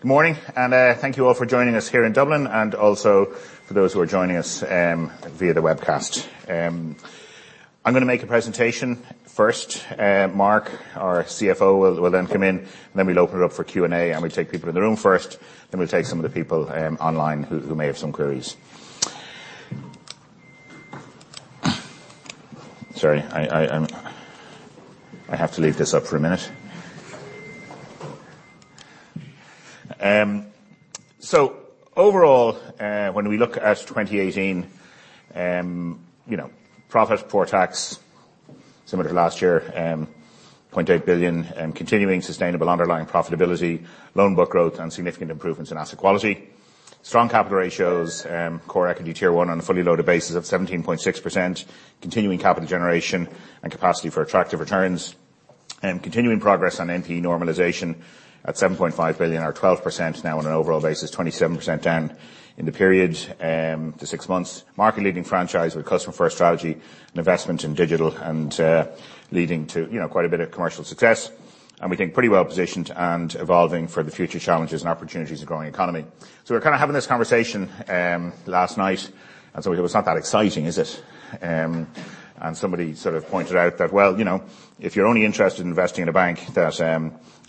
Good morning, thank you all for joining us here in Dublin, also for those who are joining us via the webcast. I'm going to make a presentation first. Mark, our CFO, will then come in, and then we'll open it up for Q&A, and we'll take people in the room first, then we'll take some of the people online who may have some queries. Sorry, I have to leave this up for a minute. Overall, when we look at 2018, profit before tax, similar to last year, 0.8 billion in continuing sustainable underlying profitability, loan book growth and significant improvements in asset quality. Strong capital ratios, Core Equity Tier 1 on a fully loaded basis of 17.6%, continuing capital generation and capacity for attractive returns, and continuing progress on NPE normalization at 7.5 billion or 12% now on an overall basis, 27% down in the period, the six months. Market-leading franchise with a customer-first strategy and investment in digital and leading to quite a bit of commercial success. We think pretty well-positioned and evolving for the future challenges and opportunities of growing economy. We were kind of having this conversation last night, and so we go, "It's not that exciting, is it?" Somebody sort of pointed out that, well, if you're only interested in investing in a bank that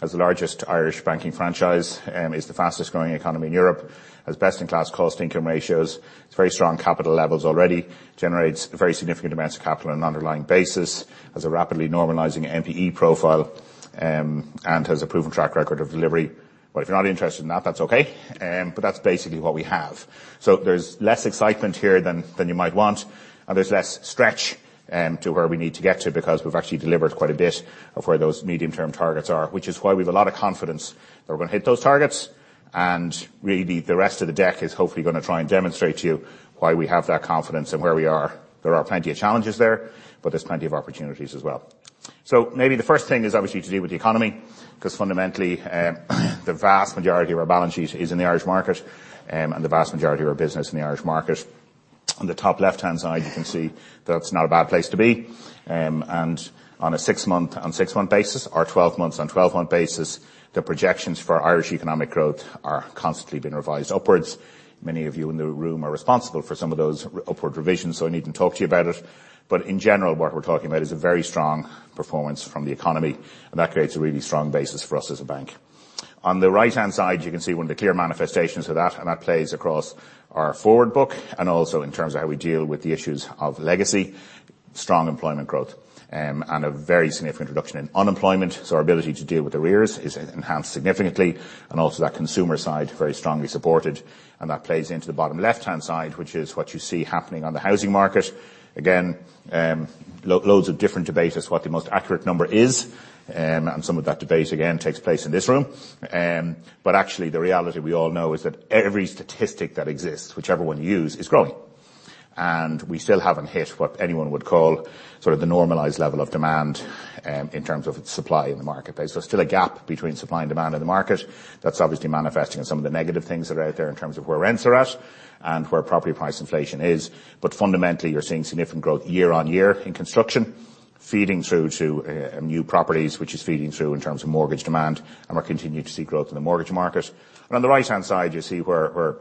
has the largest Irish banking franchise, is the fastest growing economy in Europe, has best-in-class cost income ratios, it's very strong capital levels already, generates very significant amounts of capital on an underlying basis, has a rapidly normalizing NPE profile, and has a proven track record of delivery. Well, if you're not interested in that's okay, but that's basically what we have. There's less excitement here than you might want, and there's less stretch to where we need to get to because we've actually delivered quite a bit of where those medium-term targets are, which is why we've a lot of confidence that we're going to hit those targets, and really, the rest of the deck is hopefully going to try and demonstrate to you why we have that confidence and where we are. There are plenty of challenges there, but there's plenty of opportunities as well. Maybe the first thing is obviously to do with the economy, because fundamentally, the vast majority of our balance sheet is in the Irish market, and the vast majority of our business in the Irish market. On the top left-hand side, you can see that's not a bad place to be. On a six-month on six-month basis or 12 months on 12-month basis, the projections for Irish economic growth are constantly being revised upwards. Many of you in the room are responsible for some of those upward revisions, so I need to talk to you about it. In general, what we're talking about is a very strong performance from the economy, that creates a really strong basis for us as a bank. On the right-hand side, you can see one of the clear manifestations of that plays across our forward book and also in terms of how we deal with the issues of legacy, strong employment growth, and a very significant reduction in unemployment. Our ability to deal with the arrears is enhanced significantly, also that consumer side very strongly supported. That plays into the bottom left-hand side, which is what you see happening on the housing market. Again, loads of different debate as what the most accurate number is, some of that debate again takes place in this room. Actually the reality we all know is that every statistic that exists, whichever one you use, is growing. We still haven't hit what anyone would call sort of the normalized level of demand in terms of supply in the marketplace. There's still a gap between supply and demand in the market that's obviously manifesting in some of the negative things that are out there in terms of where rents are at and where property price inflation is. Fundamentally, you're seeing significant growth year on year in construction, feeding through to new properties, which is feeding through in terms of mortgage demand, we're continuing to see growth in the mortgage market. On the right-hand side, you see where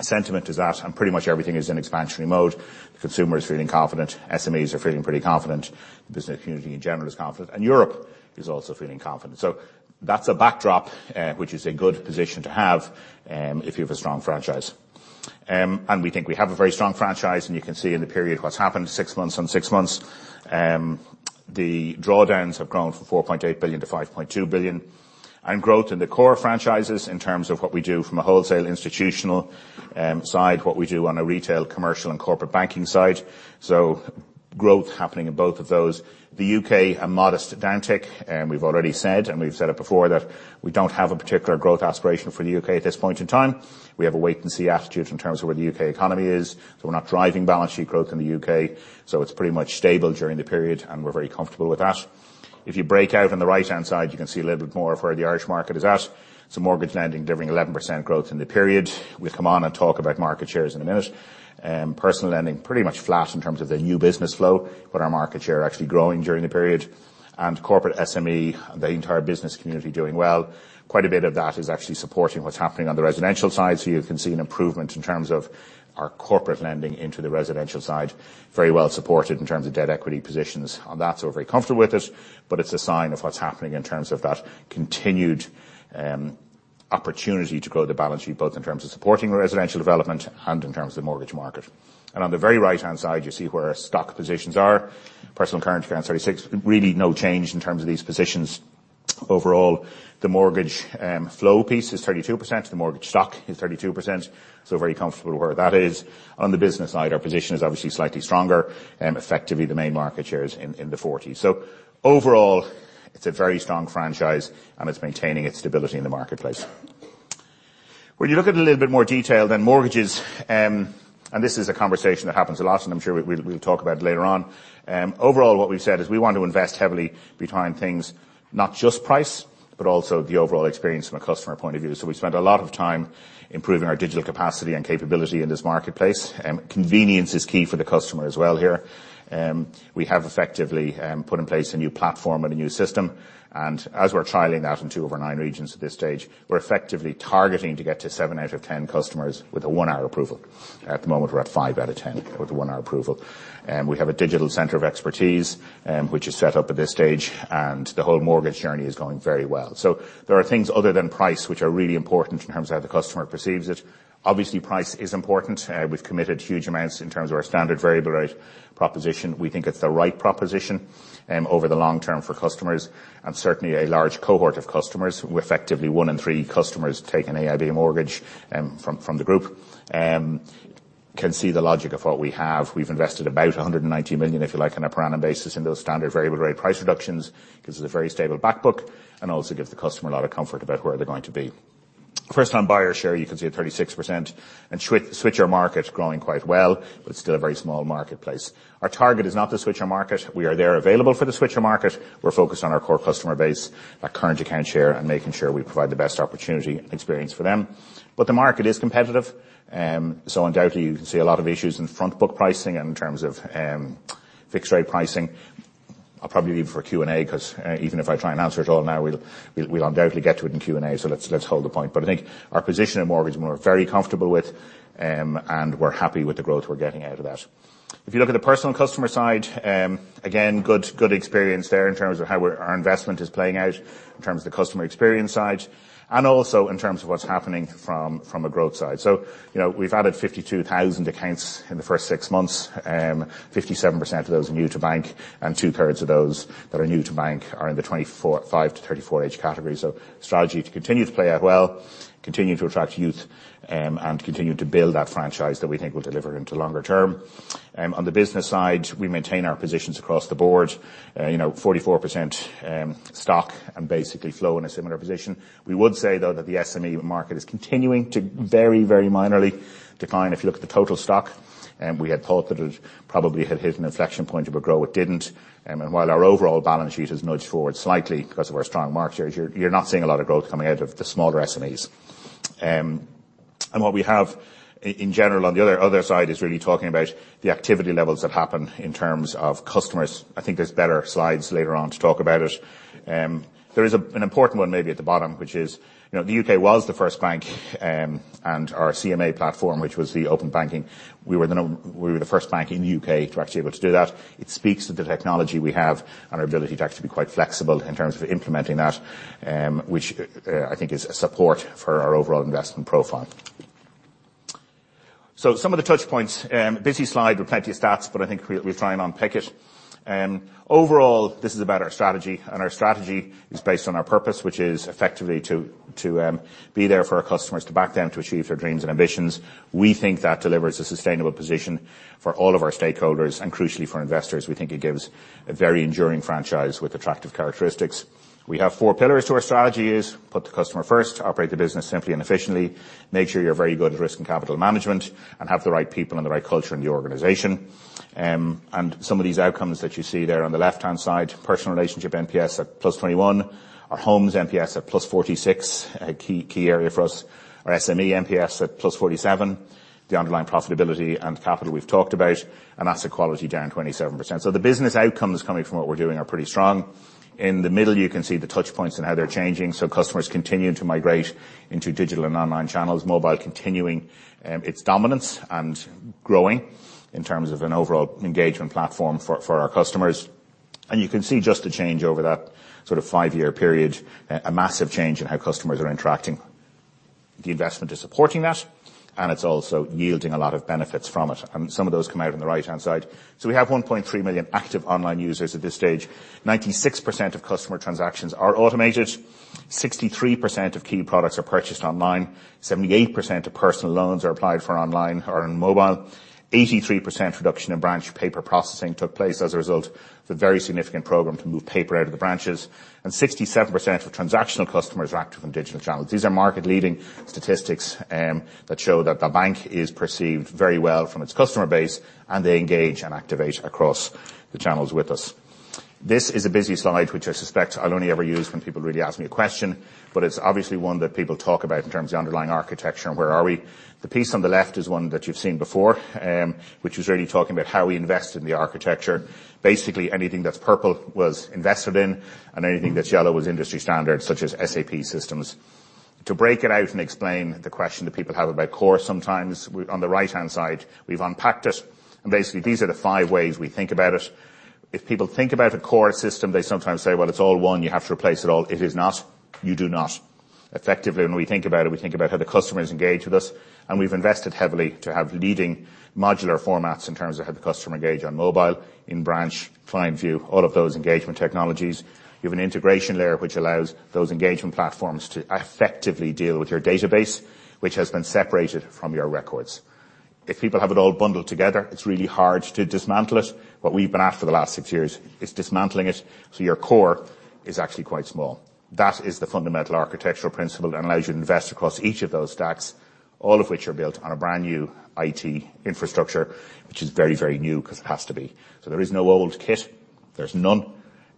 sentiment is at pretty much everything is in expansionary mode. The consumer is feeling confident, SMEs are feeling pretty confident, the business community in general is confident, Europe is also feeling confident. That's a backdrop which is a good position to have if you have a strong franchise. We think we have a very strong franchise, you can see in the period what's happened six months on six months. The drawdowns have grown from 4.8 billion to 5.2 billion. Growth in the core franchises in terms of what we do from a wholesale institutional side, what we do on a retail, commercial, and corporate banking side. Growth happening in both of those. The U.K., a modest downtick, we've already said, and we've said it before, that we don't have a particular growth aspiration for the U.K. at this point in time. We have a wait and see attitude in terms of where the U.K. economy is. We're not driving balance sheet growth in the U.K., it's pretty much stable during the period, we're very comfortable with that. If you break out on the right-hand side, you can see a little bit more of where the Irish market is at. Some mortgage lending delivering 11% growth in the period. We'll come on talk about market shares in a minute. Personal lending pretty much flat in terms of the new business flow, but our market share actually growing during the period. Corporate SME, the entire business community doing well. Quite a bit of that is actually supporting what's happening on the residential side. You can see an improvement in terms of our corporate lending into the residential side. Very well supported in terms of debt equity positions on that, so we're very comfortable with it, but it's a sign of what's happening in terms of that continued opportunity to grow the balance sheet, both in terms of supporting residential development and in terms of the mortgage market. On the very right-hand side, you see where our stock positions are. Personal current accounts, 36%. Really no change in terms of these positions. Overall, the mortgage flow piece is 32%, the mortgage stock is 32%, very comfortable where that is. On the business side, our position is obviously slightly stronger, effectively the main market share is in the 40s. Overall, it's a very strong franchise, and it's maintaining its stability in the marketplace. When you look at it in a little bit more detail, mortgages, and this is a conversation that happens a lot, and I'm sure we'll talk about it later on. Overall, what we've said is we want to invest heavily behind things, not just price, but also the overall experience from a customer point of view. We've spent a lot of time improving our digital capacity and capability in this marketplace. Convenience is key for the customer as well here. We have effectively put in place a new platform and a new system, and as we're trialing that in two of our nine regions at this stage, we're effectively targeting to get to seven out of 10 customers with a one-hour approval. At the moment, we're at five out of 10 with a one-hour approval. We have a digital center of expertise, which is set up at this stage, and the whole mortgage journey is going very well. There are things other than price which are really important in terms of how the customer perceives it. Obviously, price is important. We've committed huge amounts in terms of our standard variable rate proposition. We think it's the right proposition, over the long term for customers. Certainly, a large cohort of customers, effectively one in three customers take an AIB mortgage from the group, can see the logic of what we have. We've invested about 190 million, if you like, on a per annum basis into those standard variable rate price reductions, gives us a very stable back book, and also gives the customer a lot of comfort about where they're going to be. First-time buyer share, you can see at 36%, switcher market growing quite well. It's still a very small marketplace. Our target is not the switcher market. We are there available for the switcher market. We're focused on our core customer base, our current account share, and making sure we provide the best opportunity and experience for them. The market is competitive. Undoubtedly, you can see a lot of issues in front book pricing and in terms of fixed rate pricing. I'll probably leave it for Q&A, because even if I try and answer it all now, we'll undoubtedly get to it in Q&A, let's hold the point. I think our position in mortgage we're very comfortable with, and we're happy with the growth we're getting out of that. If you look at the personal customer side, again, good experience there in terms of how our investment is playing out, in terms of the customer experience side, and also in terms of what's happening from a growth side. We've added 52,000 accounts in the first six months. 57% of those are new to bank, and two-thirds of those that are new to bank are in the 25 to 34 age category. Strategy to continue to play out well, continue to attract youth, and continue to build that franchise that we think will deliver into longer term. On the business side, we maintain our positions across the board. 44% stock and basically flow in a similar position. We would say, though, that the SME market is continuing to very minorly decline. If you look at the total stock, we had thought that it probably had hit an inflection point, it would grow. It didn't. While our overall balance sheet has nudged forward slightly because of our strong market shares, you're not seeing a lot of growth coming out of the smaller SMEs. What we have in general on the other side is really talking about the activity levels that happen in terms of customers. I think there's better slides later on to talk about it. There is an important one maybe at the bottom, which is, the U.K. was the first bank, and our CMA platform, which was the open banking. We were the first bank in the U.K. to actually able to do that. It speaks to the technology we have and our ability to actually be quite flexible in terms of implementing that, which I think is a support for our overall investment profile. Some of the touch points, busy slide with plenty of stats, I think we'll try and unpick it. Overall, this is about our strategy, our strategy is based on our purpose, which is effectively to be there for our customers, to back them to achieve their dreams and ambitions. We think that delivers a sustainable position for all of our stakeholders and crucially for investors. We think it gives a very enduring franchise with attractive characteristics. We have 4 pillars to our strategy is put the customer first, operate the business simply and efficiently, make sure you're very good at risk and capital management, and have the right people and the right culture in the organization. Some of these outcomes that you see there on the left-hand side, personal relationship NPS at +21, our homes NPS at +46, a key area for us. Our SME NPS at +47, the underlying profitability and capital we've talked about, and asset quality down 27%. The business outcomes coming from what we're doing are pretty strong. In the middle, you can see the touch points and how they're changing. Customers continue to migrate into digital and online channels, mobile continuing its dominance and growing in terms of an overall engagement platform for our customers. You can see just the change over that sort of five-year period, a massive change in how customers are interacting. The investment is supporting that, and it's also yielding a lot of benefits from it, and some of those come out on the right-hand side. We have 1.3 million active online users at this stage. 96% of customer transactions are automated. 63% of key products are purchased online. 78% of personal loans are applied for online or on mobile. 83% reduction in branch paper processing took place as a result of a very significant program to move paper out of the branches. 67% of transactional customers are active on digital channels. These are market leading statistics that show that the bank is perceived very well from its customer base, and they engage and activate across the channels with us. This is a busy slide, which I suspect I'll only ever use when people really ask me a question. It's obviously one that people talk about in terms of the underlying architecture and where are we. The piece on the left is one that you've seen before, which was really talking about how we invest in the architecture. Basically, anything that's purple was invested in, and anything that's yellow was industry standard, such as SAP systems. To break it out and explain the question that people have about core sometimes, on the right-hand side, we've unpacked it, and basically, these are the five ways we think about it. If people think about a core system, they sometimes say, "Well, it's all one. You have to replace it all." It is not. You do not. Effectively, when we think about it, we think about how the customers engage with us, and we've invested heavily to have leading modular formats in terms of how the customer engage on mobile, in branch, client view, all of those engagement technologies. You have an integration layer which allows those engagement platforms to effectively deal with your database, which has been separated from your records. If people have it all bundled together, it's really hard to dismantle it. What we've been after the last six years is dismantling it, so your core is actually quite small. That is the fundamental architectural principle that allows you to invest across each of those stacks, all of which are built on a brand new IT infrastructure, which is very, very new because it has to be. There is no old kit. There's none.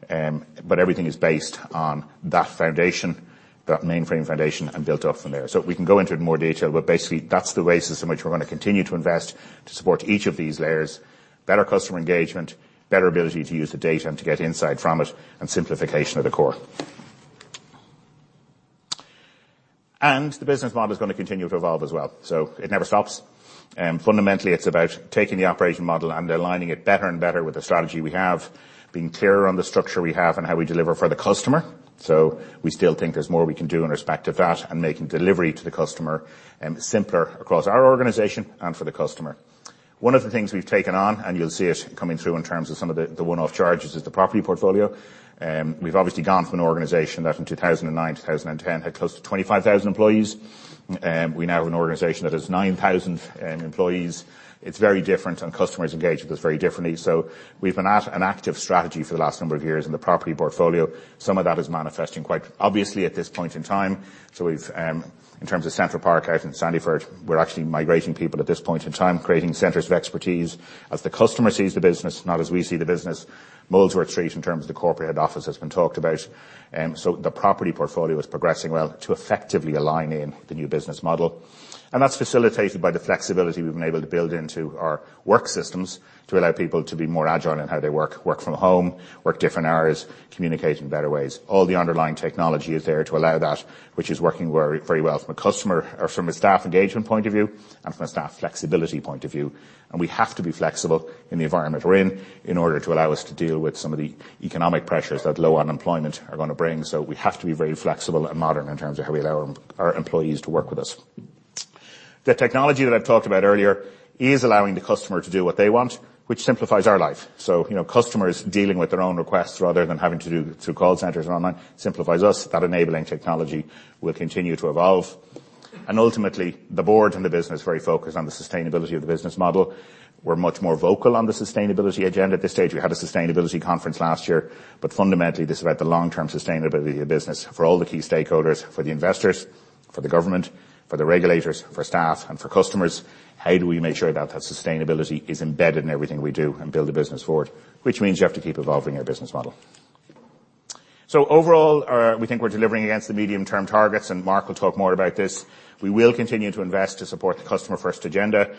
Everything is based on that foundation, that mainframe foundation, and built up from there. We can go into it in more detail, but basically that's the basis in which we're going to continue to invest to support each of these layers. Better customer engagement, better ability to use the data and to get insight from it, and simplification of the core. The business model is going to continue to evolve as well. It never stops. Fundamentally, it's about taking the operation model and aligning it better and better with the strategy we have, being clearer on the structure we have and how we deliver for the customer. We still think there's more we can do in respect of that and making delivery to the customer simpler across our organization and for the customer. One of the things we've taken on, and you'll see it coming through in terms of some of the one-off charges, is the property portfolio. We've obviously gone from an organization that in 2009, 2010, had close to 25,000 employees. We now have an organization that has 9,000 employees. It's very different. Customers engage with us very differently. We've been at an active strategy for the last number of years in the property portfolio. Some of that is manifesting quite obviously at this point in time. In terms of Central Park out in Sandyford, we're actually migrating people at this point in time, creating centers of expertise as the customer sees the business, not as we see the business. Molesworth Street, in terms of the corporate head office, has been talked about. The property portfolio is progressing well to effectively align in the new business model. That's facilitated by the flexibility we've been able to build into our work systems to allow people to be more agile in how they work from home, work different hours, communicate in better ways. All the underlying technology is there to allow that, which is working very well from a staff engagement point of view and from a staff flexibility point of view. We have to be flexible in the environment we're in order to allow us to deal with some of the economic pressures that low unemployment are going to bring. We have to be very flexible and modern in terms of how we allow our employees to work with us. The technology that I talked about earlier is allowing the customer to do what they want, which simplifies our life. Customers dealing with their own requests rather than having to do through call centers and online simplifies us. That enabling technology will continue to evolve. Ultimately, the board and the business are very focused on the sustainability of the business model. We're much more vocal on the sustainability agenda at this stage. We had a sustainability conference last year. Fundamentally, this is about the long-term sustainability of the business for all the key stakeholders, for the investors, for the government, for the regulators, for staff, and for customers. How do we make sure that that sustainability is embedded in everything we do and build a business forward? Which means you have to keep evolving your business model. Overall, we think we're delivering against the medium-term targets, and Mark will talk more about this. We will continue to invest to support the customer-first agenda.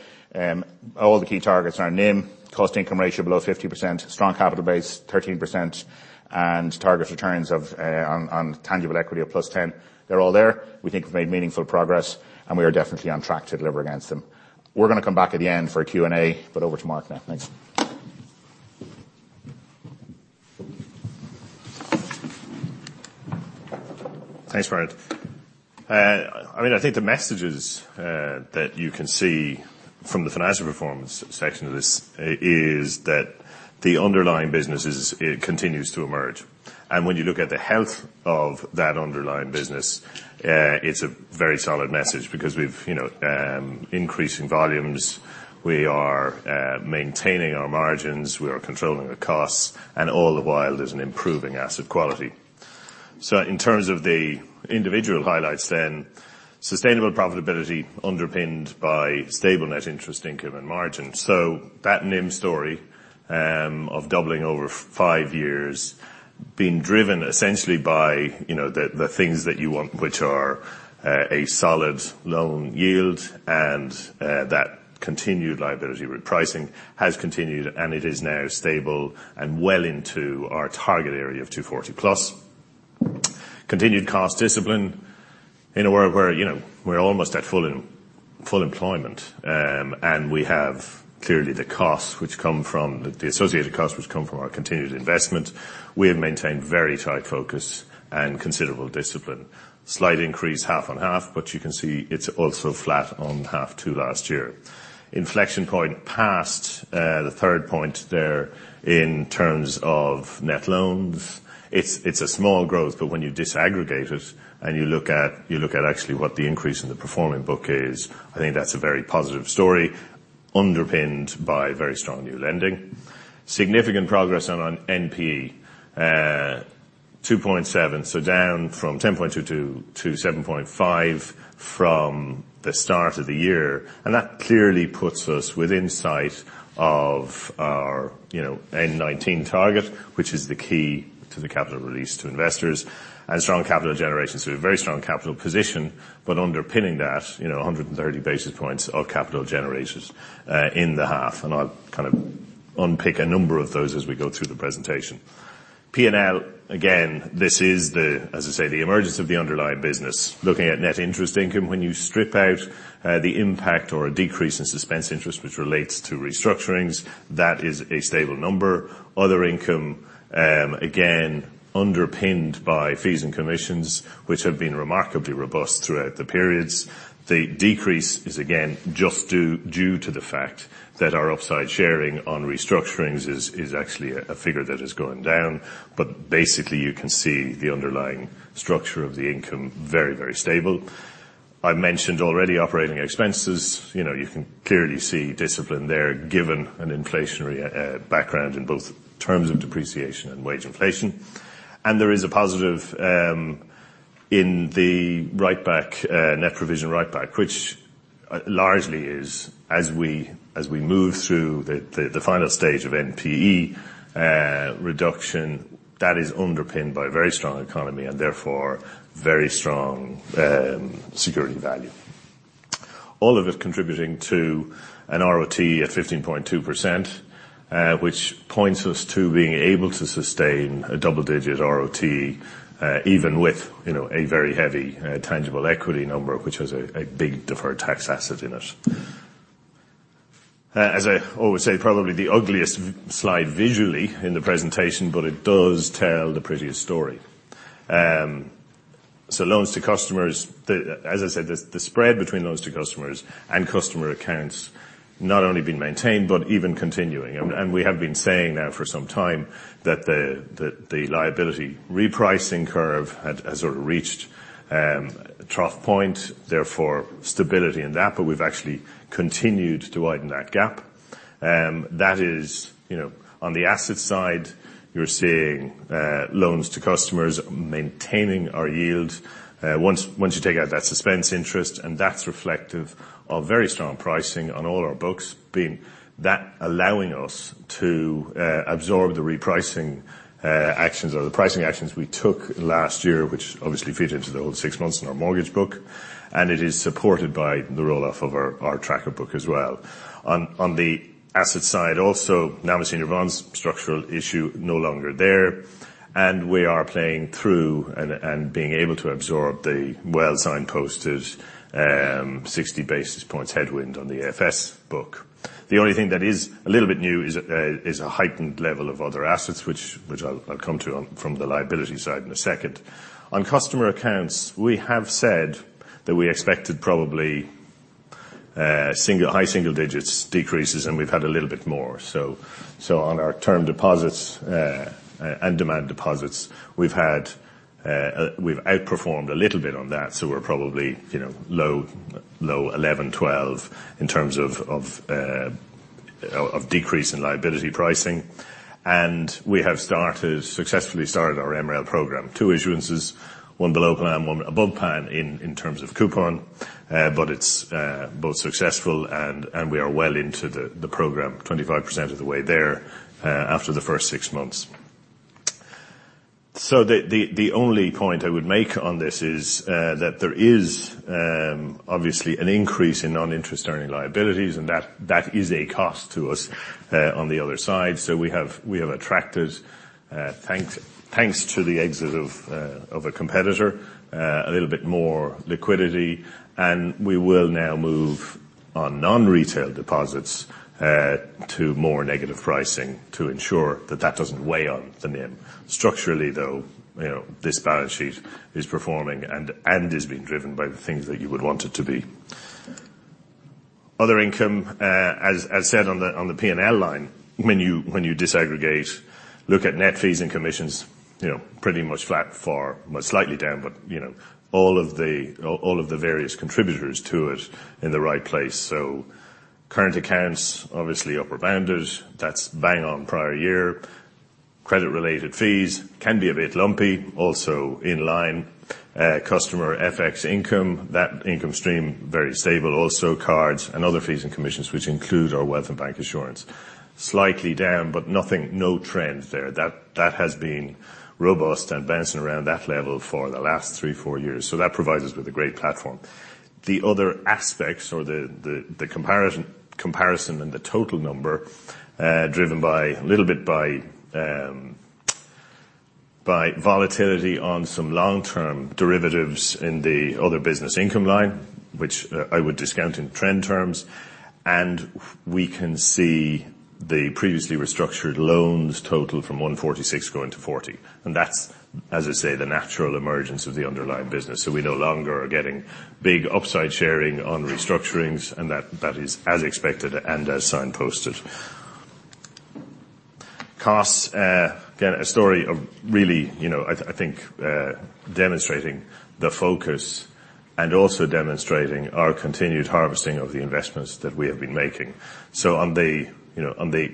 All the key targets are NIM, cost-to-income ratio below 50%, strong capital base, 13%, and target returns on tangible equity of +10%. They're all there. We think we've made meaningful progress. We are definitely on track to deliver against them. We're going to come back at the end for a Q&A. Over to Mark now. Thanks. Thanks, Bernard. I think the messages that you can see from the financial performance section of this is that the underlying business continues to emerge. When you look at the health of that underlying business, it's a very solid message because we've increasing volumes, we are maintaining our margins, we are controlling the costs, and all the while there's an improving asset quality. In terms of the individual highlights then, sustainable profitability underpinned by stable net interest income and margin. That NIM story of doubling over five years, being driven essentially by the things that you want, which are a solid loan yield and that continued liability repricing, has continued, and it is now stable and well into our target area of 240-plus. Continued cost discipline. In a world where we're almost at full employment, we have clearly the associated costs which come from our continued investment, we have maintained very tight focus and considerable discipline. Slight increase half on half, you can see it's also flat on half to last year. Inflection point past the third point there in terms of net loans. It's a small growth, when you disaggregate it and you look at actually what the increase in the performing book is, I think that's a very positive story underpinned by very strong new lending. Significant progress on NPE. 2.7, down from 10.22 to 7.5 from the start of the year. That clearly puts us within sight of our end 2019 target, which is the key to the capital release to investors, and strong capital generation. A very strong capital position, underpinning that, 130 basis points of capital generated in the half, I'll kind of unpick a number of those as we go through the presentation. P&L, again, this is the, as I say, the emergence of the underlying business. Looking at net interest income, when you strip out the impact or a decrease in suspense interest, which relates to restructurings, that is a stable number. Other income, again, underpinned by fees and commissions, which have been remarkably robust throughout the periods. The decrease is, again, just due to the fact that our upside sharing on restructurings is actually a figure that has gone down. Basically, you can see the underlying structure of the income, very, very stable. I mentioned already operating expenses. You can clearly see discipline there, given an inflationary background in both terms of depreciation and wage inflation. There is a positive in the net provision write-back, which largely is as we move through the final stage of NPE reduction, that is underpinned by a very strong economy, and therefore very strong security value. All of it contributing to an ROTE at 15.2%, which points us to being able to sustain a double-digit ROTE, even with a very heavy tangible equity number, which has a big deferred tax asset in it. As I always say, probably the ugliest slide visually in the presentation, it does tell the prettiest story. Loans to customers, as I said, the spread between loans to customers and customer accounts not only been maintained, but even continuing. We have been saying now for some time that the liability repricing curve has sort of reached a trough point, therefore stability in that, we've actually continued to widen that gap. That is, on the asset side, you're seeing loans to customers maintaining our yield. Once you take out that suspense interest, and that's reflective of very strong pricing on all our books, being that allowing us to absorb the repricing actions or the pricing actions we took last year, which obviously fed into the whole six months in our mortgage book, and it is supported by the roll-off of our tracker book as well. On the asset side also, NAMA senior bonds structural issue no longer there, and we are playing through and being able to absorb the well-signposted 60 basis points headwind on the AFS book. The only thing that is a little bit new is a heightened level of other assets, which I'll come to on from the liability side in a second. On customer accounts, we have said that we expected probably high single digits decreases, and we've had a little bit more. On our term deposits, and demand deposits, we've outperformed a little bit on that. We're probably low 11, 12 in terms of decrease in liability pricing. We have successfully started our MREL program. Two issuances, one below plan, one above plan in terms of coupon, but it's both successful and we are well into the program, 25% of the way there, after the first six months. The only point I would make on this is that there is obviously an increase in non-interest earning liabilities, and that is a cost to us on the other side. We have attracted, thanks to the exit of a competitor, a little bit more liquidity, and we will now move on non-retail deposits to more negative pricing to ensure that that doesn't weigh on the NIM. Structurally, though, this balance sheet is performing and is being driven by the things that you would want it to be. Other income, as said on the P&L line, when you disaggregate, look at net fees and commissions, pretty much flat for, well, slightly down, but all of the various contributors to it in the right place. Current accounts, obviously upper bounded, that's bang on prior year. Credit-related fees can be a bit lumpy, also in line. Customer FX income, that income stream very stable also. Cards and other fees and commissions, which include our wealth and bank assurance, slightly down, but no trend there. That has been robust and bouncing around that level for the last three, four years. That provides us with a great platform. The other aspects or the comparison and the total number, driven a little bit by volatility on some long-term derivatives in the other business income line, which I would discount in trend terms. We can see the previously restructured loans total from 146 going to 40, and that's, as I say, the natural emergence of the underlying business. We no longer are getting big upside sharing on restructurings, and that is as expected and as signposted. Costs, again, a story of really, I think, demonstrating the focus and also demonstrating our continued harvesting of the investments that we have been making. On the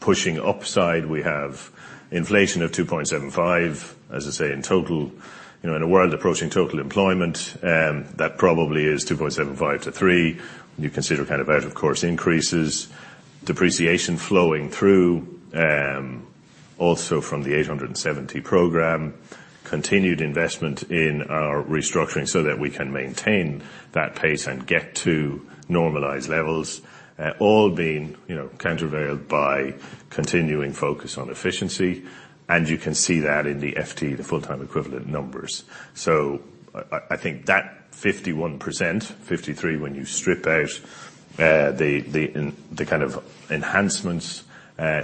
pushing upside, we have inflation of 2.75, as I say, in total. In a world approaching total employment, that probably is 2.75 to 3 when you consider out of course increases. Depreciation flowing through, also from the 870 program. Continued investment in our restructuring so that we can maintain that pace and get to normalized levels. All being countervailed by continuing focus on efficiency, and you can see that in the FTE, the full-time equivalent numbers. I think that 51%, 53% when you strip out the kind of enhancements,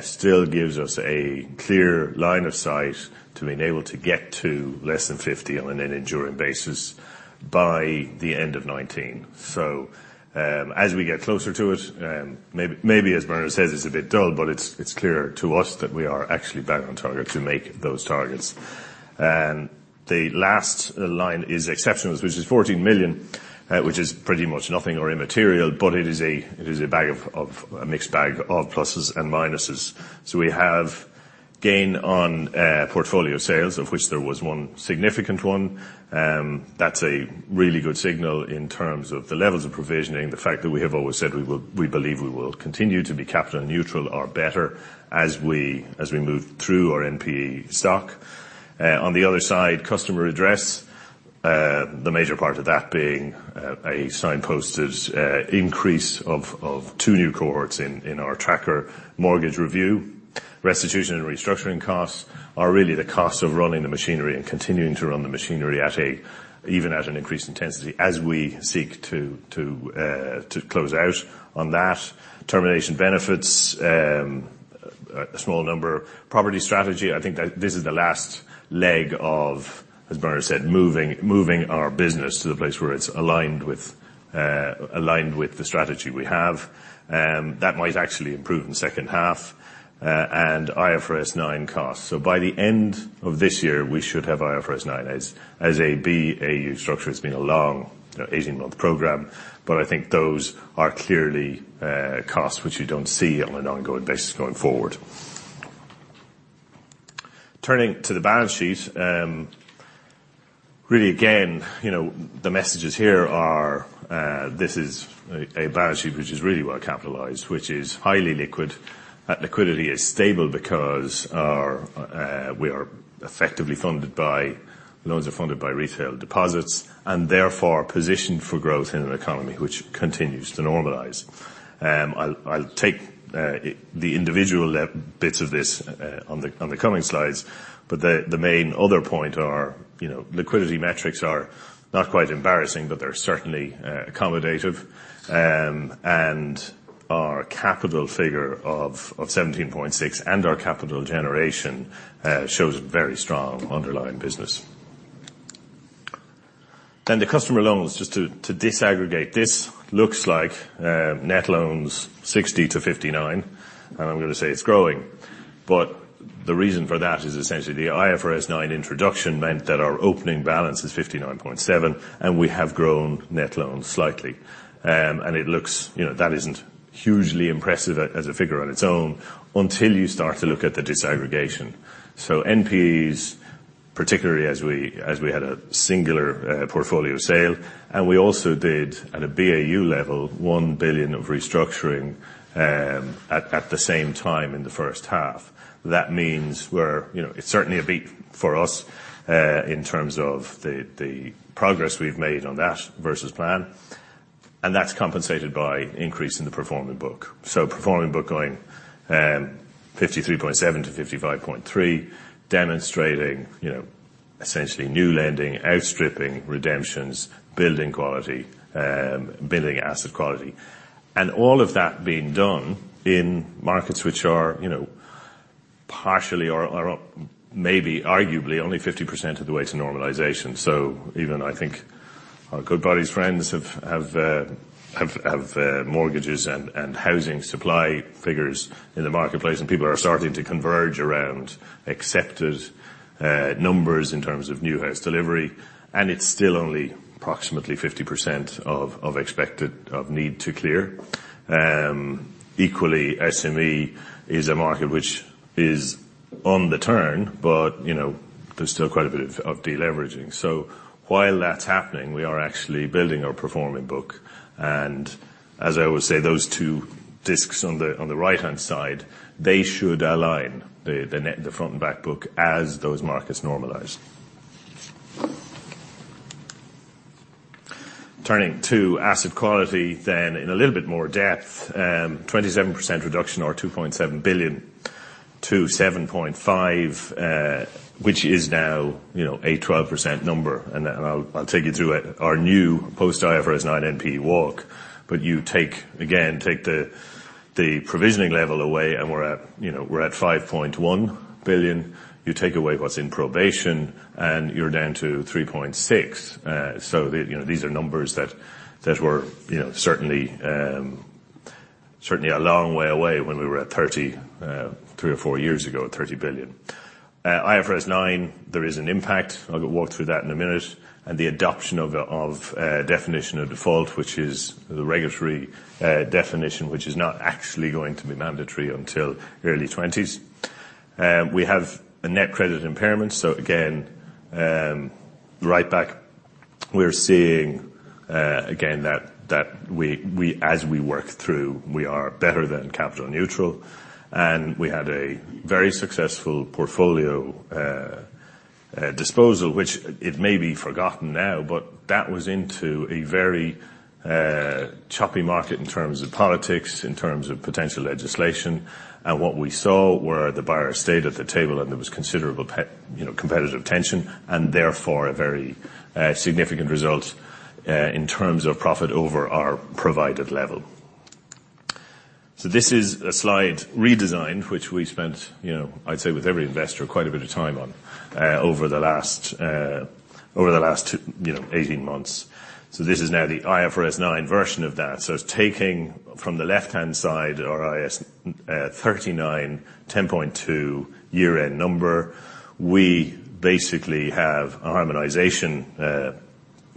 still gives us a clear line of sight to being able to get to less than 50% on an enduring basis by the end of 2019. As we get closer to it, maybe as Bernard says, it's a bit dull, but it's clear to us that we are actually back on target to make those targets. The last line is exceptionals, which is 14 million. Which is pretty much nothing or immaterial, but it is a mixed bag of pluses and minuses. We have gain on portfolio sales, of which there was one significant one. That's a really good signal in terms of the levels of provisioning, the fact that we have always said we believe we will continue to be capital neutral or better as we move through our NPE stock. On the other side, customer redress, the major part of that being a signposted increase of two new cohorts in our tracker mortgage review. Restitution and restructuring costs are really the cost of running the machinery and continuing to run the machinery even at an increased intensity as we seek to close out on that. Termination benefits, a small number. Property strategy, I think that this is the last leg of, as Bernard said, moving our business to the place where it's aligned with the strategy we have. That might actually improve in the second half. IFRS 9 costs. By the end of this year, we should have IFRS 9 as a BAU structure. It's been a long 18-month program. I think those are clearly costs which you don't see on an ongoing basis going forward. Turning to the balance sheet. Really, again, the messages here are, this is a balance sheet which is really well capitalized, which is highly liquid. That liquidity is stable because we are effectively funded by, loans are funded by retail deposits, and therefore, positioned for growth in an economy which continues to normalize. I'll take the individual bits of this on the coming slides, but the main other point are, liquidity metrics are not quite embarrassing, but they're certainly accommodative. Our capital figure of 17.6% and our capital generation shows very strong underlying business. The customer loans, just to disaggregate this, looks like net loans 60 billion to 59 billion, and I'm going to say it's growing. The reason for that is essentially the IFRS 9 introduction meant that our opening balance is 59.7 billion, and we have grown net loans slightly. That isn't hugely impressive as a figure on its own until you start to look at the disaggregation. NPEs, particularly as we had a singular portfolio sale, and we also did, at a BAU level, 1 billion of restructuring at the same time in the first half. That means it's certainly a beat for us in terms of the progress we've made on that versus plan. That's compensated by increase in the performing book. Performing book going 53.7 to 55.3, demonstrating essentially new lending, outstripping redemptions, building quality, building asset quality. All of that being done in markets which are partially or maybe arguably only 50% of the way to normalization. Even I think our Goodbody, friends have mortgages and housing supply figures in the marketplace, and people are starting to converge around accepted numbers in terms of new house delivery, and it's still only approximately 50% of expected, of need to clear. Equally, SME is a market which is on the turn, but there's still quite a bit of deleveraging. While that's happening, we are actually building our performing book, and as I always say, those two discs on the right-hand side, they should align the front and back book as those markets normalize. Turning to asset quality in a little bit more depth, 27% reduction or 2.7 billion to 7.5 billion, which is now a 12% number, and I'll take you through it. Our new post-IFRS 9 NPE walk, but you, again, take the provisioning level away, and we're at 5.1 billion. You take away what's in probation, and you're down to 3.6 billion. These are numbers that were certainly a long way away when we were at 30 billion, three or four years ago, at 30 billion. IFRS 9, there is an impact. I'll walk through that in a minute, and the adoption of definition of default, which is the regulatory definition, which is not actually going to be mandatory until early 2020s. We have a net credit impairment. Again, right back, we're seeing, again, that as we work through, we are better than capital neutral, and we had a very successful portfolio disposal, which it may be forgotten now, but that was into a very choppy market in terms of politics, in terms of potential legislation. What we saw were the buyers stayed at the table and there was considerable competitive tension, and therefore, a very significant result in terms of profit over our provided level. This is a slide redesign, which we spent, I'd say with every investor, quite a bit of time on over the last 18 months. This is now the IFRS 9 version of that. It's taking from the left-hand side, our IAS 39, 10.2 billion year-end number. We basically have a harmonization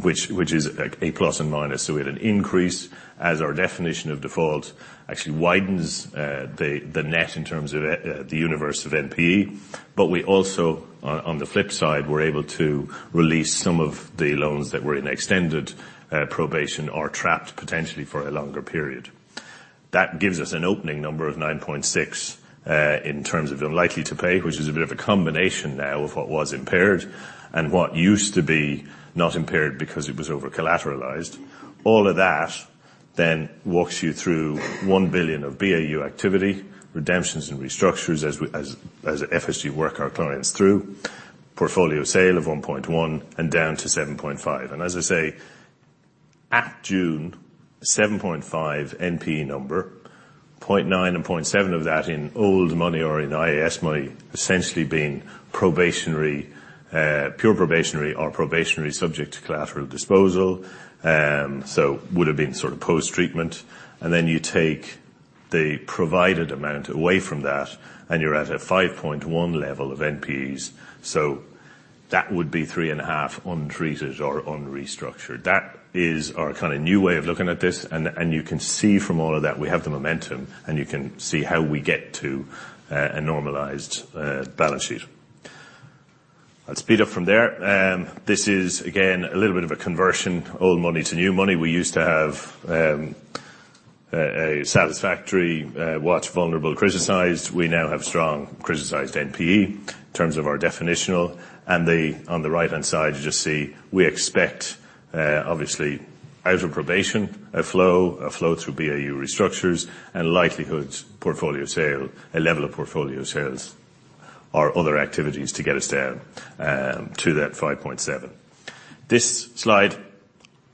which is a plus and minus. We had an increase as our definition of default actually widens the net in terms of the universe of NPE. We also, on the flip side, were able to release some of the loans that were in extended probation or trapped potentially for a longer period. That gives us an opening number of 9.6 billion in terms of unlikely to pay, which is a bit of a combination now of what was impaired and what used to be not impaired because it was over-collateralized. All of that walks you through 1 billion of BAU activity, redemptions and restructures as FSG work our clients through, portfolio sale of 1.1 billion and down to 7.5 billion. As I say, at June, 7.5 NPE number, 0.9 and 0.7 of that in old money or in IAS money, essentially being pure probationary or probationary subject to collateral disposal, so would have been sort of post-treatment. You take the provided amount away from that and you're at a 5.1 level of NPEs. That would be three and a half untreated or unstructured. That is our new way of looking at this, you can see from all of that we have the momentum, and you can see how we get to a normalized balance sheet. I'll speed up from there. This is again, a little bit of a conversion, old money to new money. We used to have a satisfactory, watch vulnerable, criticized. We now have strong, criticized NPE in terms of our definitional. On the right-hand side, you just see we expect, obviously, out of probation, a flow through BAU restructures and likelihoods portfolio sale, a level of portfolio sales or other activities to get us down to that 5.7. This slide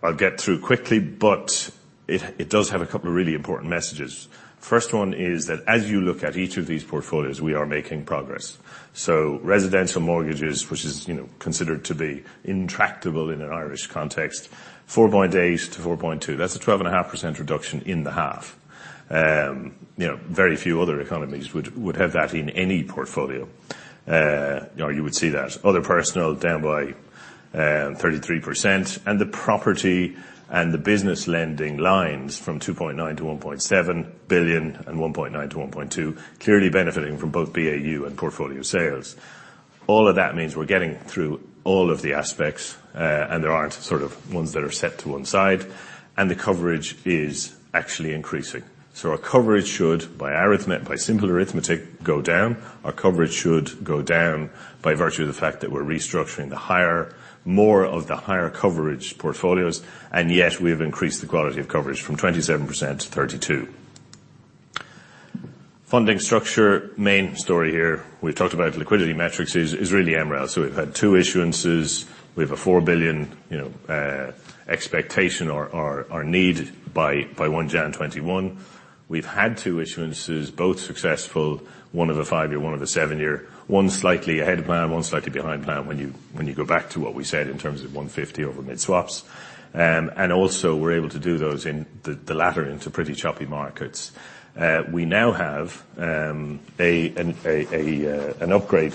I'll get through quickly, it does have a couple of really important messages. First one is that as you look at each of these portfolios, we are making progress. Residential mortgages, which is considered to be intractable in an Irish context, 4.8 to 4.2. That's a 12.5% reduction in the half. Very few other economies would have that in any portfolio, or you would see that. Other personal, down by 33%. The property and the business lending lines from 2.9 billion to 1.7 billion and 1.9 billion to 1.2 billion, clearly benefiting from both BAU and portfolio sales. All of that means we're getting through all of the aspects, there aren't ones that are set to one side, and the coverage is actually increasing. Our coverage should, by simple arithmetic, go down. Our coverage should go down by virtue of the fact that we're restructuring the more of the higher coverage portfolios, and yet we have increased the quality of coverage from 27% to 32%. Funding structure, main story here, we've talked about liquidity metrics, is really MREL. We've had two issuances. We have a 4 billion expectation or need by 1 January 2021. We've had two issuances, both successful, one of a five-year, one of a seven-year, one slightly ahead of plan, one slightly behind plan when you go back to what we said in terms of 150 over mid-swaps. Also, we're able to do those in the latter into pretty choppy markets. We now have an upgrade.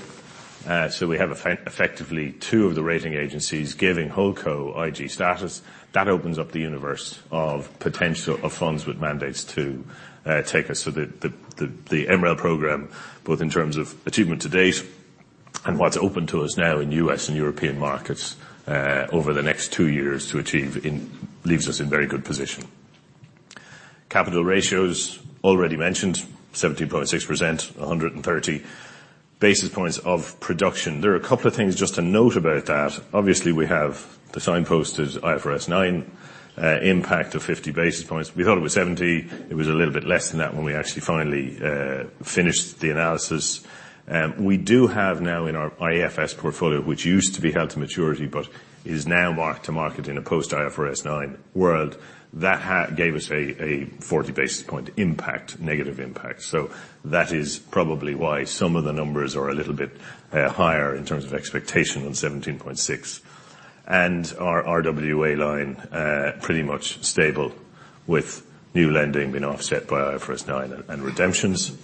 We have effectively two of the rating agencies giving Holdco IG status. That opens up the universe of potential of funds with mandates to take us. The MREL program, both in terms of achievement to date and what's open to us now in U.S. and European markets over the next two years to achieve leaves us in very good position. Capital ratios, already mentioned, 17.6%, 130 basis points of production. There are a couple of things just to note about that. Obviously, we have the signposted IFRS 9 impact of 50 basis points. We thought it was 70. It was a little bit less than that when we actually finally finished the analysis. We do have now in our AFS portfolio, which used to be held to maturity but is now mark-to-market in a post-IFRS 9 world, that gave us a 40 basis point impact, negative impact. That is probably why some of the numbers are a little bit higher in terms of expectation on 17.6. Our RWA line pretty much stable with new lending been offset by IFRS 9 and redemptions.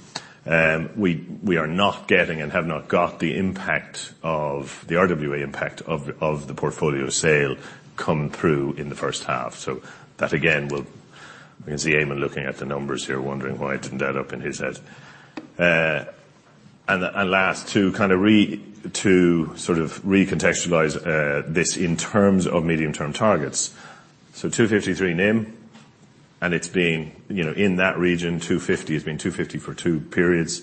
We are not getting and have not got the RWA impact of the portfolio sale come through in the first half. That, again, will I can see Eamonn looking at the numbers here wondering why it didn't add up in his head. Last, to sort of recontextualize this in terms of medium-term targets. 253 NIM, and it's been in that region, 250. It's been 250 for two periods,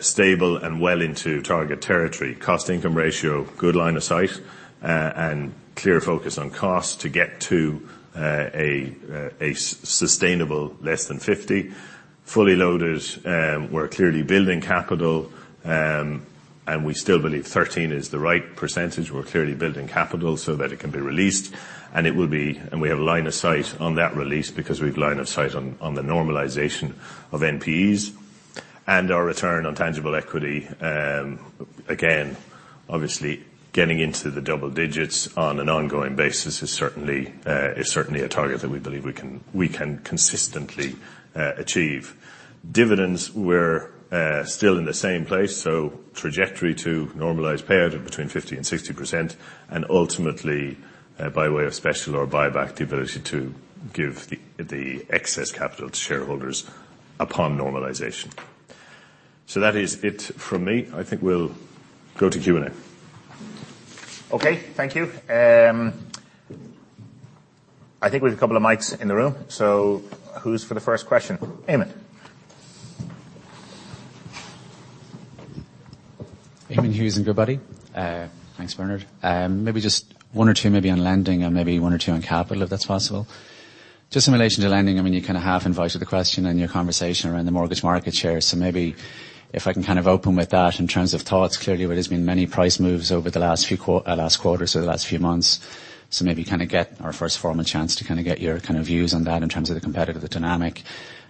stable and well into target territory. Cost income ratio, good line of sight, and clear focus on cost to get to a sustainable less than 50%. Fully loaded, we're clearly building capital, and we still believe 13% is the right percentage. We're clearly building capital so that it can be released, and we have a line of sight on that release because we have line of sight on the normalization of NPEs. Our return on tangible equity. Again, obviously getting into the double digits on an ongoing basis is certainly a target that we believe we can consistently achieve. Dividends, we're still in the same place, trajectory to normalize payout of between 50% and 60%, and ultimately, by way of special or buyback, the ability to give the excess capital to shareholders upon normalization. That is it from me. I think we'll go to Q&A. Okay. Thank you. I think we have a couple of mics in the room. Who's for the first question? Eamonn. Eamonn Hughes in Goodbody. Thanks, Bernard. Maybe just one or two maybe on lending, and maybe one or two on capital, if that's possible. Just in relation to lending, you kind of half invited the question in your conversation around the mortgage market share. Maybe if I can kind of open with that in terms of thoughts. Clearly there has been many price moves over the last quarter, the last few months. Maybe kind of get our first formal chance to get your views on that in terms of the competitive dynamic.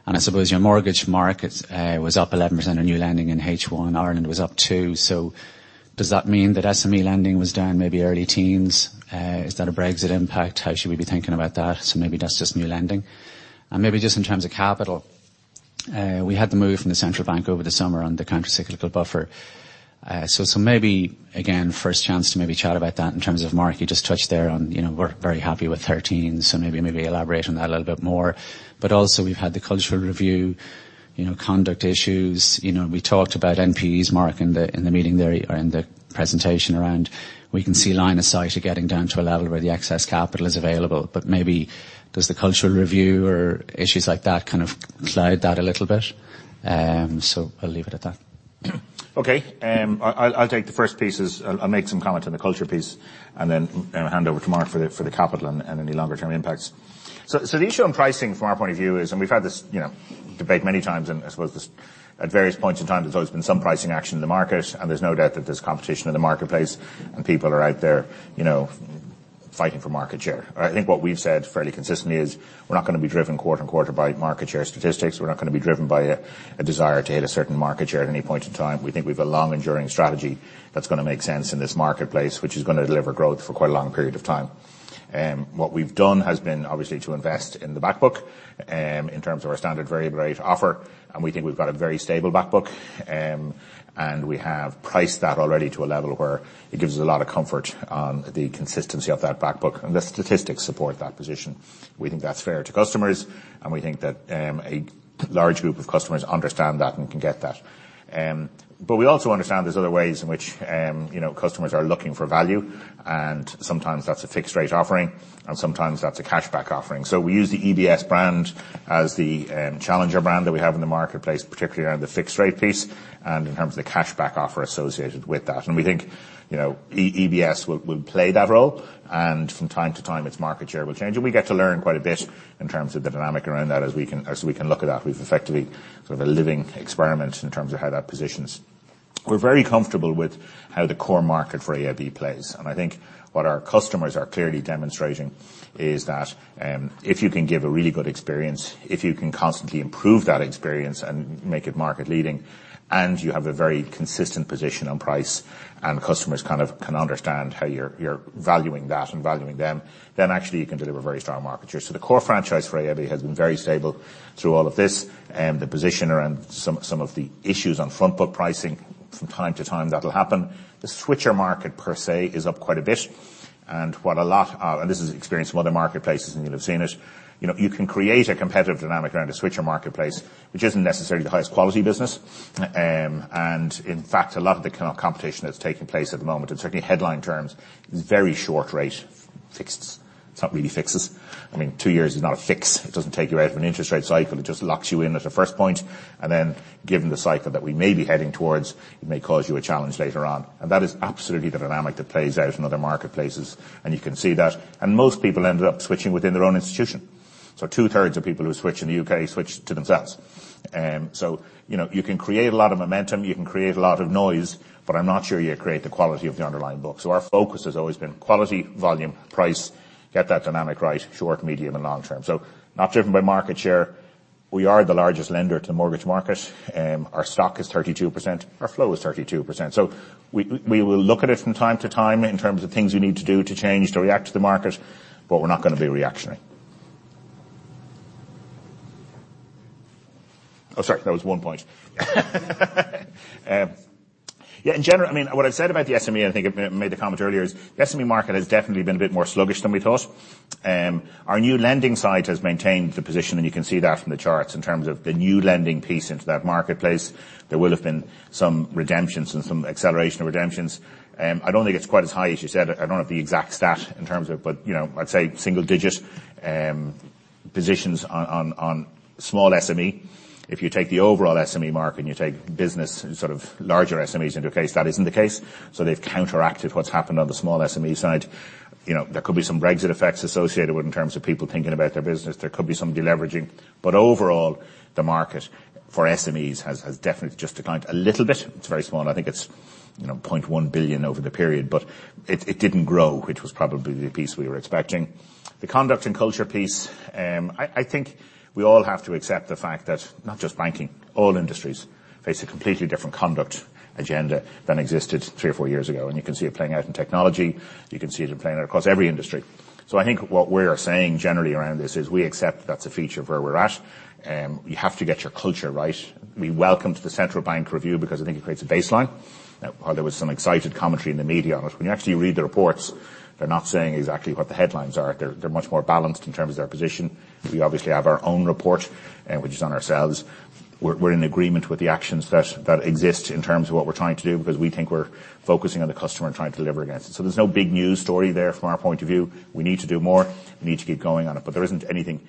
I suppose your mortgage market was up 11% on new lending in H1. Ireland was up too. Does that mean that SME lending was down maybe early teens? Is that a Brexit impact? How should we be thinking about that? Maybe that's just new lending. Maybe just in terms of capital, we had the move from the Central Bank over the summer on the countercyclical buffer. Maybe again, first chance to maybe chat about that in terms of Mark, you just touched there on we're very happy with 13, maybe elaborate on that a little bit more. Also, we've had the cultural review, conduct issues. We talked about NPEs, Mark, in the meeting there, or in the presentation around we can see line of sight of getting down to a level where the excess capital is available. Maybe does the cultural review or issues like that kind of cloud that a little bit? I'll leave it at that. Okay. I'll take the first pieces. I'll make some comment on the culture piece, then hand over to Mark for the capital and any longer term impacts. The issue on pricing from our point of view is, we've had this debate many times, I suppose this at various points in time, there's always been some pricing action in the market, there's no doubt that there's competition in the marketplace, people are out there fighting for market share. I think what we've said fairly consistently is we're not going to be driven quarter and quarter by market share statistics. We're not going to be driven by a desire to hit a certain market share at any point in time. We think we've a long enduring strategy that's going to make sense in this marketplace, which is going to deliver growth for quite a long period of time. What we've done has been obviously to invest in the back book, in terms of our standard variable rate offer, we think we've got a very stable back book, we have priced that already to a level where it gives us a lot of comfort on the consistency of that back book, the statistics support that position. We think that's fair to customers, we think that a large group of customers understand that and can get that. We also understand there's other ways in which customers are looking for value, sometimes that's a fixed rate offering, sometimes that's a cashback offering. We use the EBS brand as the challenger brand that we have in the marketplace, particularly around the fixed rate piece in terms of the cashback offer associated with that. We think EBS will play that role, from time to time, its market share will change, we get to learn quite a bit in terms of the dynamic around that as we can look at that. We've effectively sort of a living experiment in terms of how that positions. We're very comfortable with how the core market for AIB plays. I think what our customers are clearly demonstrating is that if you can give a really good experience, if you can constantly improve that experience and make it market leading, and you have a very consistent position on price and customers kind of can understand how you're valuing that and valuing them, then actually you can deliver very strong market share. The core franchise for AIB has been very stable through all of this. The position around some of the issues on front book pricing from time to time, that'll happen. The switcher market per se, is up quite a bit. What a lot, and this is experienced from other marketplaces, and you'll have seen it. You can create a competitive dynamic around a switcher marketplace, which isn't necessarily the highest quality business. In fact, a lot of the competition that's taking place at the moment, and certainly headline terms, is very short rate fixed. It's not really fixes. 2 years is not a fix. It doesn't take you out of an interest rate cycle. It just locks you in at a first point, and then given the cycle that we may be heading towards, it may cause you a challenge later on. That is absolutely the dynamic that plays out in other marketplaces, and you can see that. Most people ended up switching within their own institution. Two thirds of people who switch in the U.K. switch to themselves. You can create a lot of momentum, you can create a lot of noise, but I'm not sure you create the quality of the underlying book. Our focus has always been quality, volume, price, get that dynamic right, short, medium, and long term. Not driven by market share. We are the largest lender to the mortgage market. Our stock is 32%, our flow is 32%. We will look at it from time to time in terms of things we need to do to change, to react to the market, but we're not going to be reactionary. Oh, sorry. That was one point. Yeah, in general, what I've said about the SME, I think I made the comment earlier, is the SME market has definitely been a bit more sluggish than we thought. Our new lending side has maintained the position, and you can see that from the charts in terms of the new lending piece into that marketplace. There will have been some redemptions and some acceleration of redemptions. I don't think it's quite as high as you said. I don't have the exact stat in terms of, but I'd say single-digit positions on small SME. If you take the overall SME market and you take business, sort of larger SMEs into account, that isn't the case. They've counteracted what's happened on the small SME side. There could be some Brexit effects associated with in terms of people thinking about their business. There could be some de-leveraging. Overall, the market for SMEs has definitely just declined a little bit. It's very small. I think it's 0.1 billion over the period, but it didn't grow, which was probably the piece we were expecting. The conduct and culture piece, I think we all have to accept the fact that not just banking, all industries face a completely different conduct agenda than existed three or four years ago, and you can see it playing out in technology. You can see it playing out across every industry. I think what we're saying generally around this is we accept that's a feature of where we're at. You have to get your culture right. We welcome the Central Bank review because I think it creates a baseline. Now, while there was some excited commentary in the media on it, when you actually read the reports, they're not saying exactly what the headlines are. They're much more balanced in terms of their position. We obviously have our own report, which is on ourselves. We're in agreement with the actions that exist in terms of what we're trying to do, because we think we're focusing on the customer and trying to deliver against it. There's no big news story there from our point of view. We need to do more, we need to keep going on it, but there isn't anything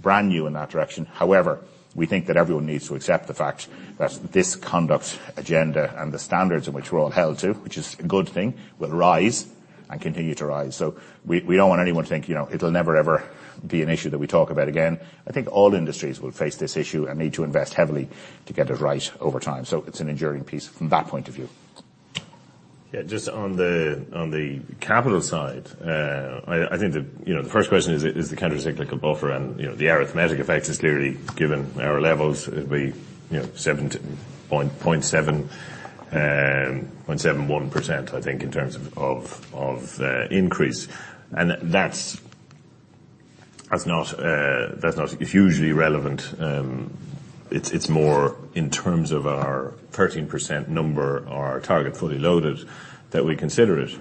brand new in that direction. However, we think that everyone needs to accept the fact that this conduct agenda and the standards in which we're all held to, which is a good thing, will rise and continue to rise. We don't want anyone to think it'll never ever be an issue that we talk about again. I think all industries will face this issue and need to invest heavily to get it right over time. It's an enduring piece from that point of view. Just on the capital side, I think the first question is the countercyclical buffer, and the arithmetic effect is clearly given our levels. It'd be 0.71%, I think, in terms of increase. That's not hugely relevant. It's more in terms of our 13% number, our target fully loaded, that we consider it.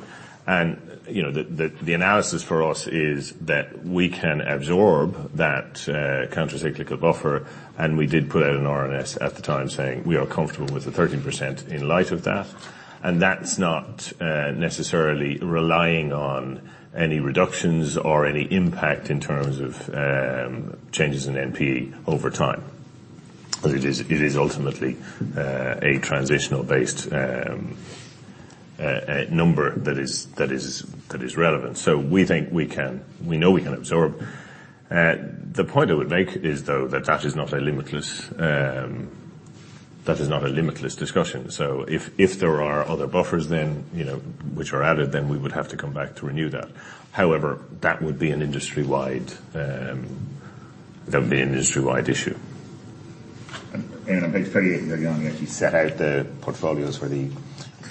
The analysis for us is that we can absorb that countercyclical buffer, and we did put out an RNS at the time saying we are comfortable with the 13% in light of that. Yeah. That's not necessarily relying on any reductions or any impact in terms of changes in NPE over time. It is ultimately a transitional based number that is relevant. We think we can. We know we can absorb. The point I would make is, though, that is not a limitless discussion. If there are other buffers, which are added, then we would have to come back to renew that. However, that would be an industry-wide issue. On page 38, where you actually set out the portfolios for the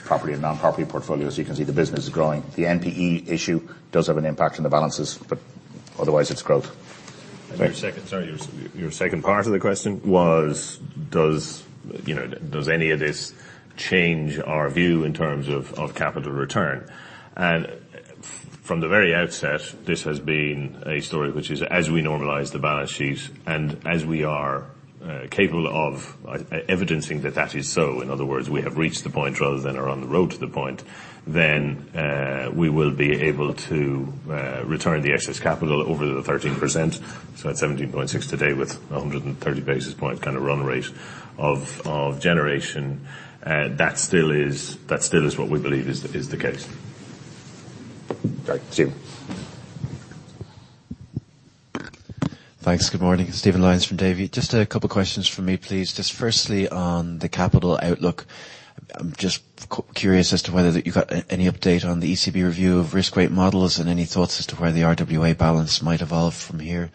property and non-property portfolios, you can see the business is growing. The NPE issue does have an impact on the balances, but otherwise it's growth. Your second part of the question was, does any of this change our view in terms of capital return? From the very outset, this has been a story which is as we normalize the balance sheet, as we are capable of evidencing that that is so, in other words, we have reached the point rather than are on the road to the point, then we will be able to return the excess capital over the 13%, so at 17.6 today with 130 basis point kind of run rate of generation. That still is what we believe is the case. Right. Stephen. Thanks. Good morning. Stephen Lyons from Davy. Just a couple of questions from me, please. Just firstly, on the capital outlook, I'm just curious as to whether you got any update on the ECB review of risk weight models and any thoughts as to where the RWA balance might evolve from here.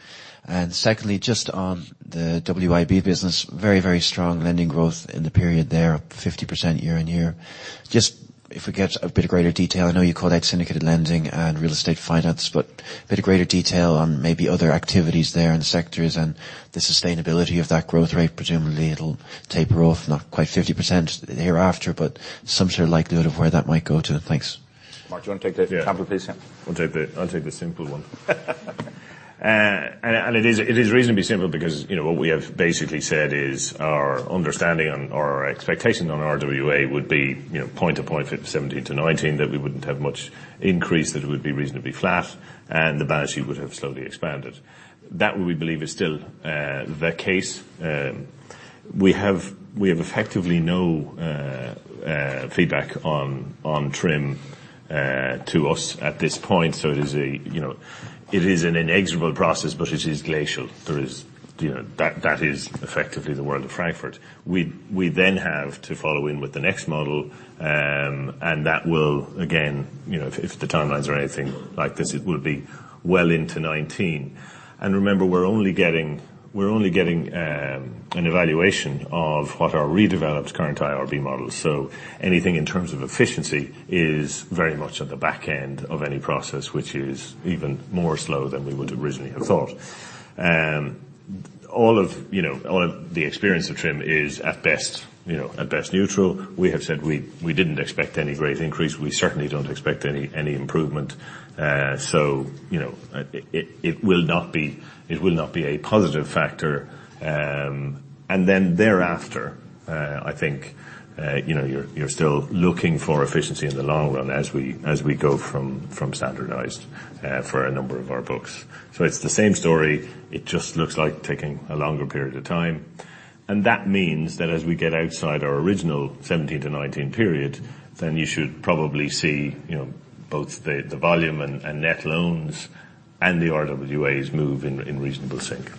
Secondly, just on the WIB business, very strong lending growth in the period there, up 50% year-on-year. Just if we get a bit of greater detail, I know you called out syndicated lending and real estate finance, but a bit of greater detail on maybe other activities there and sectors and the sustainability of that growth rate. Presumably, it'll taper off not quite 50% thereafter, but some sort of likelihood of where that might go to. Thanks. Mark, do you want to take the capital piece? Yeah. Yeah. I'll take the simple one. It is reasonably simple because what we have basically said is our understanding and our expectation on RWA would be point to point, 2017 to 2019, that we wouldn't have much increase, that it would be reasonably flat, and the balance sheet would have slowly expanded. That, we believe, is still the case. We have effectively no feedback on TRIM to us at this point, so it is an inexorable process, but it is glacial. That is effectively the world of Frankfurt. We have to follow in with the next model, and that will again, if the timelines are anything like this, it will be well into 2019. Remember, we're only getting an evaluation of what our redeveloped current IRB model. Anything in terms of efficiency is very much at the back end of any process, which is even more slow than we would originally have thought. All of the experience of TRIM is at best neutral. We have said we didn't expect any great increase. We certainly don't expect any improvement. It will not be a positive factor. Thereafter, I think you're still looking for efficiency in the long run as we go from standardized for a number of our books. It's the same story, it just looks like taking a longer period of time. That means that as we get outside our original 2017 to 2019 period, then you should probably see both the volume and net loans and the RWAs move in reasonable sync.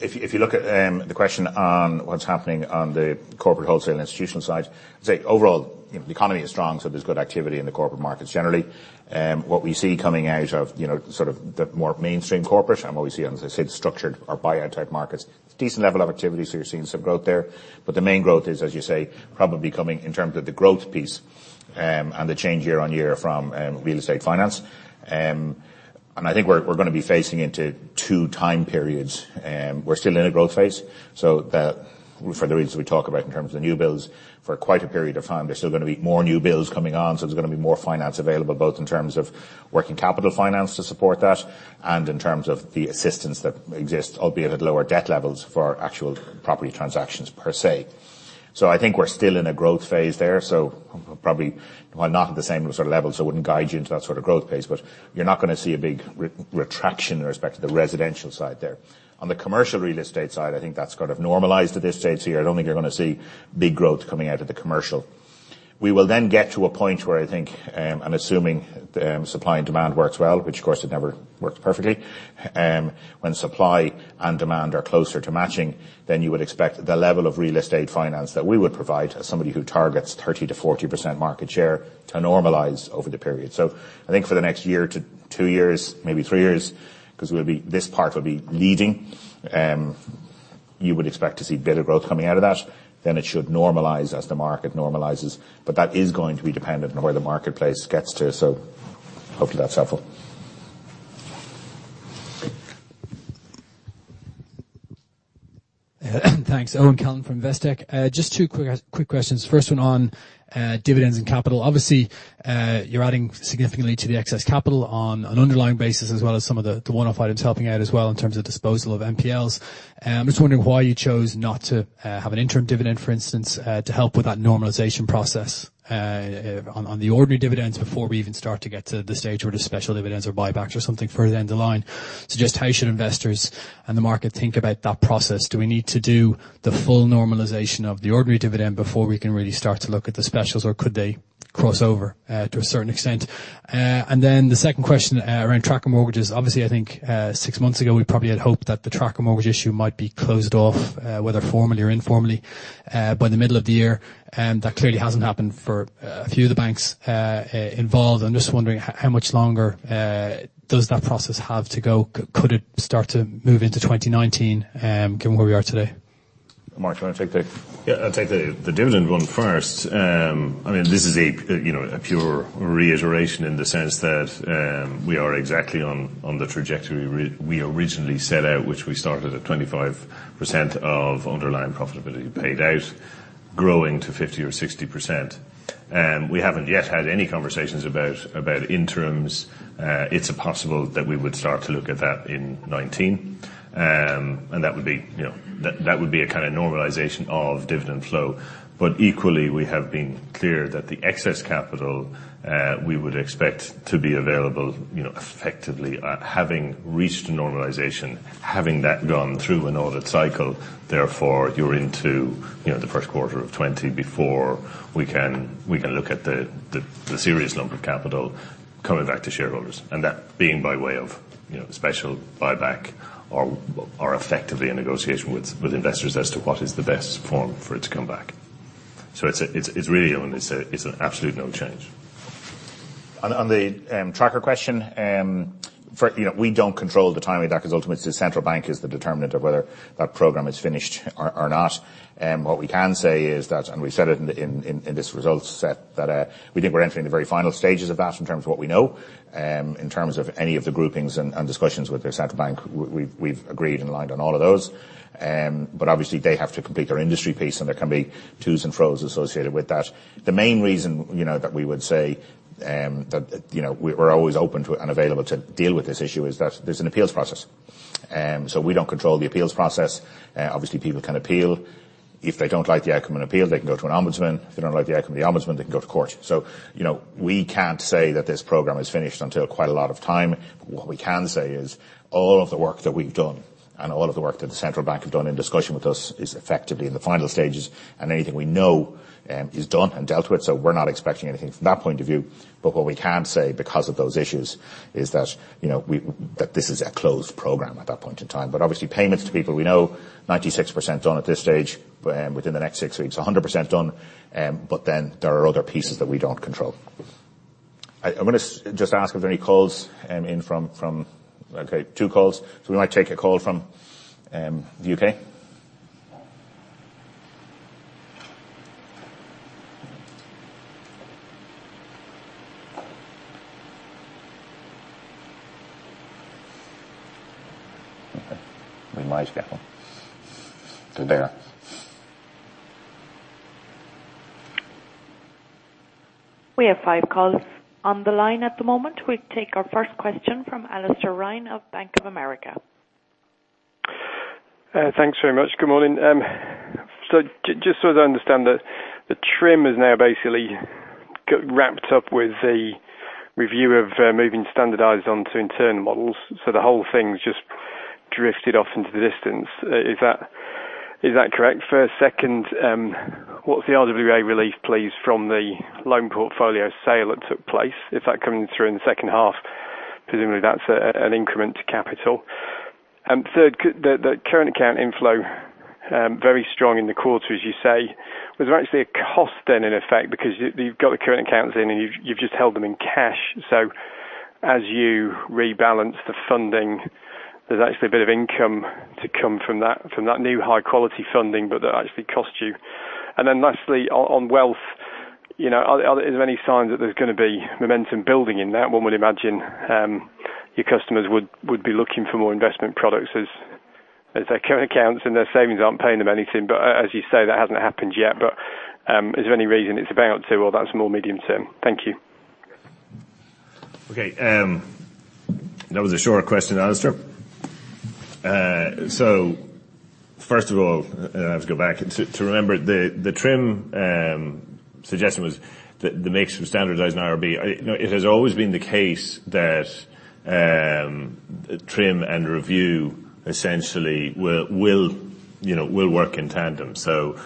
If you look at the question on what's happening on the corporate wholesale institutional side, I'd say overall, the economy is strong, so there's good activity in the corporate markets generally. What we see coming out of the more mainstream corporate, and what we see as I said, structured or buyout-type markets, decent level of activity, so you're seeing some growth there. The main growth is, as you say, probably coming in terms of the growth piece, and the change year-on-year from real estate finance. I think we're going to be facing into two time periods. We're still in a growth phase. For the reasons we talk about in terms of the new builds for quite a period of time, there's still going to be more new builds coming on, there's going to be more finance available, both in terms of working capital finance to support that, and in terms of the assistance that exists, albeit at lower debt levels for actual property transactions per se. I think we're still in a growth phase there. Probably, while not at the same sort of level, I wouldn't guide you into that sort of growth phase, but you're not going to see a big retraction in respect to the residential side there. On the commercial real estate side, I think that's kind of normalized at this stage here. I don't think you're going to see big growth coming out of the commercial. We will then get to a point where I think, I'm assuming, supply and demand works well, which of course it never works perfectly. When supply and demand are closer to matching, then you would expect the level of real estate finance that we would provide as somebody who targets 30%-40% market share to normalize over the period. I think for the next year to two years, maybe three years, because this part will be leading, you would expect to see bit of growth coming out of that. It should normalize as the market normalizes. That is going to be dependent on where the marketplace gets to. Hopefully that's helpful. Thanks. Owen Callan from Investec. Just two quick questions. First one on dividends and capital. Obviously, you're adding significantly to the excess capital on an underlying basis as well as some of the one-off items helping out as well in terms of disposal of NPEs. I'm just wondering why you chose not to have an interim dividend, for instance, to help with that normalization process on the ordinary dividends before we even start to get to the stage where the special dividends or buybacks or something further down the line. Just how should investors and the market think about that process? Do we need to do the full normalization of the ordinary dividend before we can really start to look at the specials, or could they cross over to a certain extent? The second question around tracker mortgages. Obviously, I think six months ago, we probably had hoped that the tracker mortgage issue might be closed off, whether formally or informally, by the middle of the year. That clearly hasn't happened for a few of the banks involved. I'm just wondering how much longer does that process have to go. Could it start to move into 2019, given where we are today? Mark, do you want to take that? Yeah, I'll take the dividend one first. This is a pure reiteration in the sense that we are exactly on the trajectory we originally set out, which we started at 25% of underlying profitability paid out, growing to 50% or 60%. We haven't yet had any conversations about interims. It's possible that we would start to look at that in 2019. That would be a kind of normalization of dividend flow. Equally, we have been clear that the excess capital we would expect to be available effectively, having reached normalization, having that gone through an audit cycle, therefore, you're into the first quarter of 2020 before we can look at the serious lump of capital coming back to shareholders. That being by way of special buyback or effectively a negotiation with investors as to what is the best form for it to come back. It's really, Owen, it's an absolute no change. On the tracker question, we don't control the timing of that because ultimately the Central Bank of Ireland is the determinant of whether that program is finished or not. What we can say is that, and we said it in this results set, that we think we're entering the very final stages of that in terms of what we know. In terms of any of the groupings and discussions with the Central Bank of Ireland, we've agreed and aligned on all of those. Obviously they have to complete their industry piece, and there can be tos and fros associated with that. The main reason that we would say that we're always open to and available to deal with this issue is that there's an appeals process. We don't control the appeals process. Obviously, people can appeal. If they don't like the outcome and appeal, they can go to an ombudsman. If they don't like the outcome of the ombudsman, they can go to court. We can't say that this program is finished until quite a lot of time. What we can say is all of the work that we've done and all of the work that the Central Bank have done in discussion with us is effectively in the final stages, and anything we know is done and dealt with. We're not expecting anything from that point of view. What we can't say because of those issues is that this is a closed program at that point in time. Obviously payments to people, we know 96% done at this stage, within the next six weeks, 100% done. There are other pieces that we don't control. I want to just ask if there are any calls in from Okay, two calls. We might take a call from the U.K. We might get one. To there. We have five calls on the line at the moment. We'll take our first question from Alastair Ryan of Bank of America. Thanks very much. Good morning. Just so as I understand it, the TRIM is now basically wrapped up with the review of moving standardizers onto internal models. The whole thing's just drifted off into the distance. Is that correct? First, second, what's the RWA relief, please, from the loan portfolio sale that took place? Is that coming through in the second half? Presumably, that's an increment to capital. Third, the current account inflow, very strong in the quarter, as you say. Was there actually a cost then in effect because you've got the current accounts in and you've just held them in cash. As you rebalance the funding, there's actually a bit of income to come from that new high-quality funding, but that actually cost you. Lastly, on wealth, are there any signs that there's going to be momentum building in that? One would imagine your customers would be looking for more investment products as their current accounts and their savings aren't paying them anything. As you say, that hasn't happened yet, is there any reason it's about to, or that's more medium term? Thank you. Okay. That was a short question, Alastair. First of all, I have to go back to remember the TRIM suggestion was the mix from standardized and IRB. It has always been the case that TRIM and review essentially will work in tandem. It's our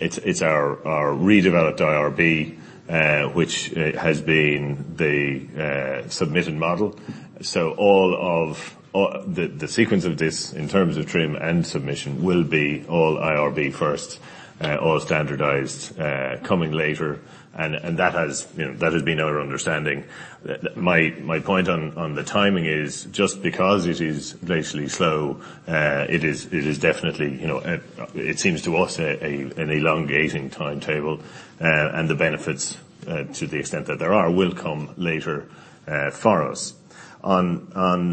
redeveloped IRB, which has been the submitted model. All of the sequence of this, in terms of TRIM and submission, will be all IRB first, all standardized, coming later. That has been our understanding. My point on the timing is just because it is glacially slow, it is definitely, it seems to us, an elongating timetable. The benefits, to the extent that there are, will come later for us. On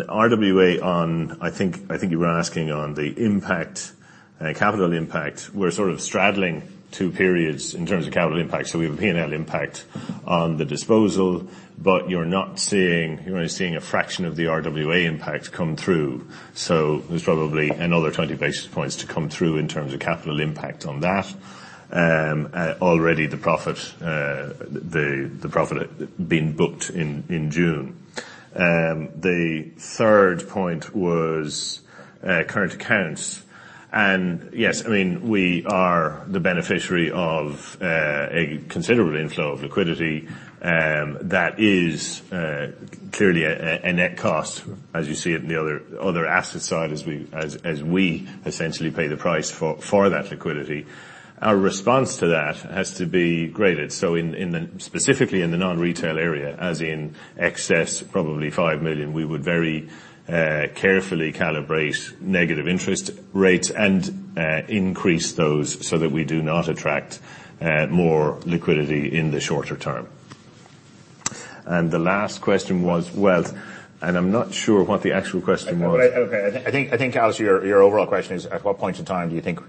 RWA, I think you were asking on the impact, capital impact. We're sort of straddling two periods in terms of capital impact. We have a P&L impact on the disposal, you're only seeing a fraction of the RWA impact come through. There's probably another 20 basis points to come through in terms of capital impact on that. Already the profit had been booked in June. The third point was current accounts. Yes, we are the beneficiary of a considerable inflow of liquidity that is clearly a net cost, as you see it in the other asset side, as we essentially pay the price for that liquidity. Our response to that has to be graded. Specifically in the non-retail area, as in excess probably 5 million, we would very carefully calibrate negative interest rates and increase those so that we do not attract more liquidity in the shorter term. The last question was wealth, I'm not sure what the actual question was. Okay. I think, Alastair, your overall question is at what point in time do you think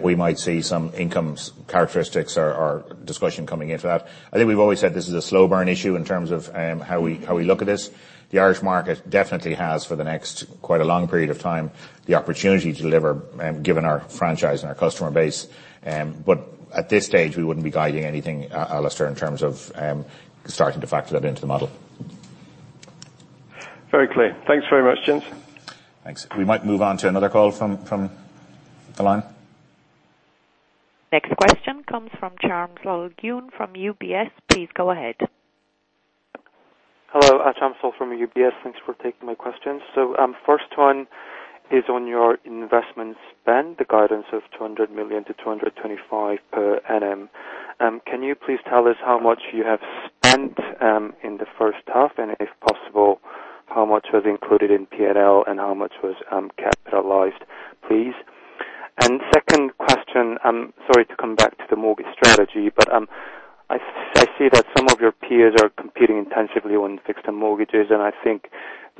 we might see some income characteristics or discussion coming into that? I think we've always said this is a slow burn issue in terms of how we look at this. The Irish market definitely has, for the next quite a long period of time, the opportunity to deliver, given our franchise and our customer base. At this stage, we wouldn't be guiding anything, Alastair, in terms of starting to factor that into the model. Very clear. Thanks very much, gents. Thanks. We might move on to another call from the line. Next question comes from Chamsol Gyun from UBS. Please go ahead. Hello, Chamsol from UBS. Thanks for taking my questions. First one is on your investment spend, the guidance of 200 million to 225 million per annum. Can you please tell us how much you have spent in the first half, and if possible, how much was included in P&L and how much was capitalized, please? Second question, sorry to come back to the mortgage strategy, but I see that some of your peers are competing intensively on fixed-term mortgages, and I think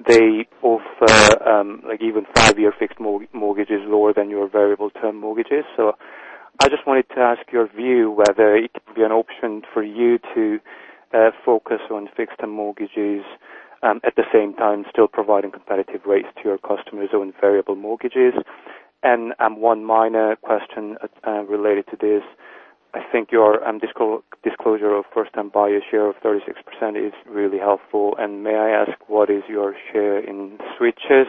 they offer even five-year fixed mortgages lower than your variable term mortgages. I just wanted to ask your view whether it could be an option for you to focus on fixed-term mortgages, at the same time, still providing competitive rates to your customers on variable mortgages. One minor question related to this, I think your disclosure of first-time buyer share of 36% is really helpful, and may I ask what is your share in switches,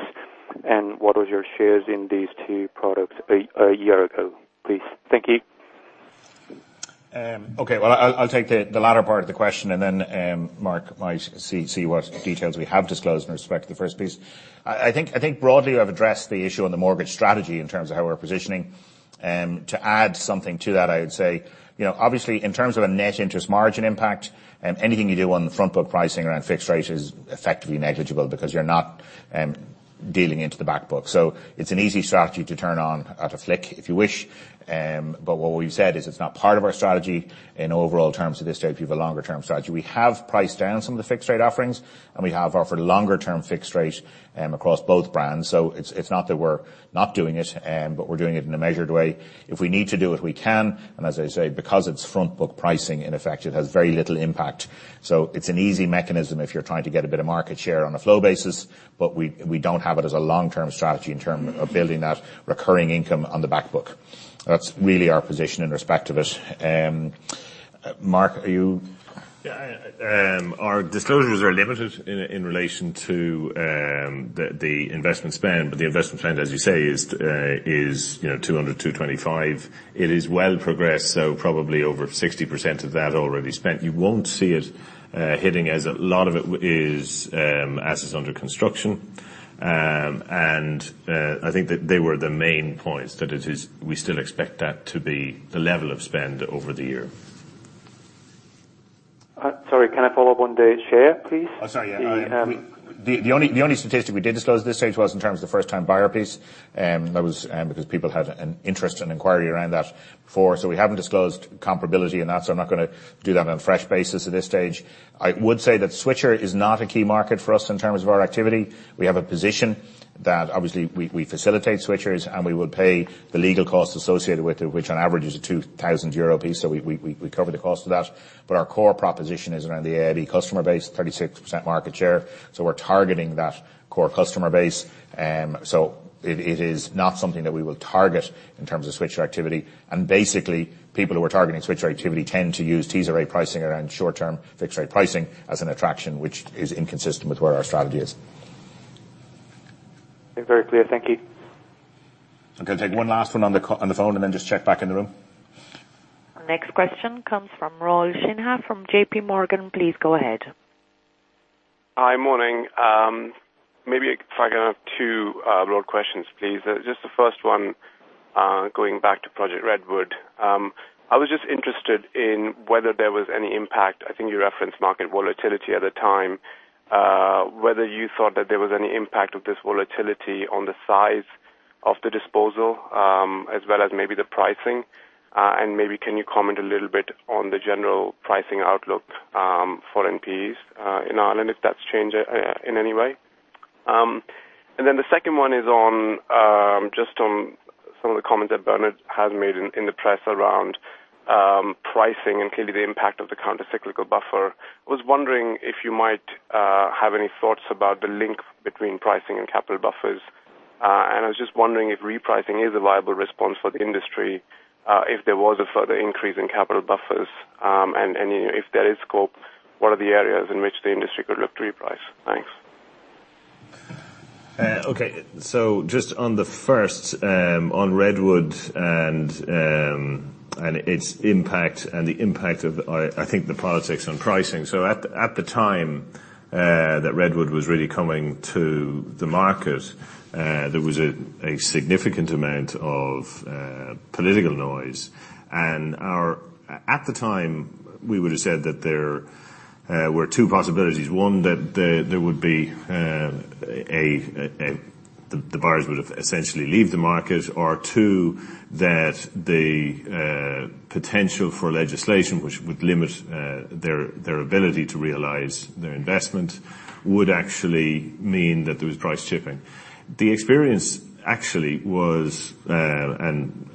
and what was your shares in these two products a year ago, please? Thank you. Okay. Well, I'll take the latter part of the question, then Mark might see what details we have disclosed in respect to the first piece. I think broadly we have addressed the issue on the mortgage strategy in terms of how we're positioning. To add something to that, I would say, obviously, in terms of a net interest margin impact, anything you do on the front book pricing around fixed-rate is effectively negligible because you're not dealing into the back book. It's an easy strategy to turn on at a flick if you wish. What we've said is it's not part of our strategy in overall terms at this stage. We have a longer-term strategy. We have priced down some of the fixed-rate offerings, and we have offered longer-term fixed-rate across both brands. It's not that we're not doing it, we're doing it in a measured way. If we need to do it, we can, and as I say, because it's front book pricing, in effect, it has very little impact. It's an easy mechanism if you're trying to get a bit of market share on a flow basis, we don't have it as a long-term strategy in terms of building that recurring income on the back book. That's really our position in respect of it. Mark, Yeah. Our disclosures are limited in relation to the investment spend, the investment spend, as you say, is 200, 225. It is well progressed, probably over 60% of that already spent. You won't see it hitting as a lot of it is assets under construction. I think that they were the main points that we still expect that to be the level of spend over the year. Sorry, can I follow up on the share, please? Sorry. The only statistic we did disclose at this stage was in terms of first time buyer piece, that was because people had an interest and inquiry around that before. We haven't disclosed comparability and that, I'm not going to do that on a fresh basis at this stage. I would say that switcher is not a key market for us in terms of our activity. We have a position that obviously we facilitate switchers, and we will pay the legal costs associated with it, which on average is a 2,000 euro piece. We cover the cost of that. Our core proposition is around the AIB customer base, 36% market share. We're targeting that core customer base. It is not something that we will target in terms of switcher activity. Basically, people who are targeting switcher activity tend to use teaser rate pricing around short-term fixed rate pricing as an attraction, which is inconsistent with where our strategy is. Very clear. Thank you. Okay. Take one last one on the phone and then just check back in the room. Next question comes from Rahul Sinha from JP Morgan. Please go ahead. Hi. Morning. Maybe if I can have two broad questions, please. Just the first one, going back to Project Redwood. I was just interested in whether there was any impact, I think you referenced market volatility at the time, whether you thought that there was any impact of this volatility on the size of the disposal, as well as maybe the pricing. Maybe can you comment a little bit on the general pricing outlook for NPEs in Ireland, if that's changed in any way? The second one is just on some of the comments that Bernard has made in the press around pricing and clearly the impact of the countercyclical buffer. I was wondering if you might have any thoughts about the link between pricing and capital buffers. I was just wondering if repricing is a viable response for the industry, if there was a further increase in capital buffers, and if there is scope, what are the areas in which the industry could look to reprice? Thanks. Okay. Just on the first, on Redwood and its impact and the impact of, I think, the politics on pricing. At the time that Redwood was really coming to the market, there was a significant amount of political noise. At the time, we would have said that there were two possibilities. One, that the buyers would essentially leave the market, or two, that the potential for legislation which would limit their ability to realize their investment would actually mean that there was price chipping. The experience actually was, and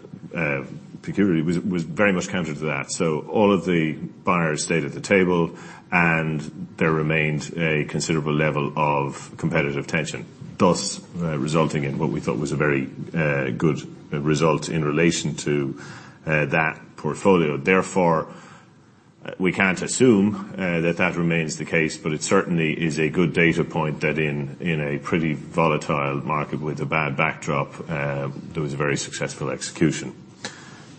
particularly, was very much counter to that. All of the buyers stayed at the table, and there remained a considerable level of competitive tension, thus resulting in what we thought was a very good result in relation to that portfolio. We can't assume that that remains the case, but it certainly is a good data point that in a pretty volatile market with a bad backdrop, there was a very successful execution.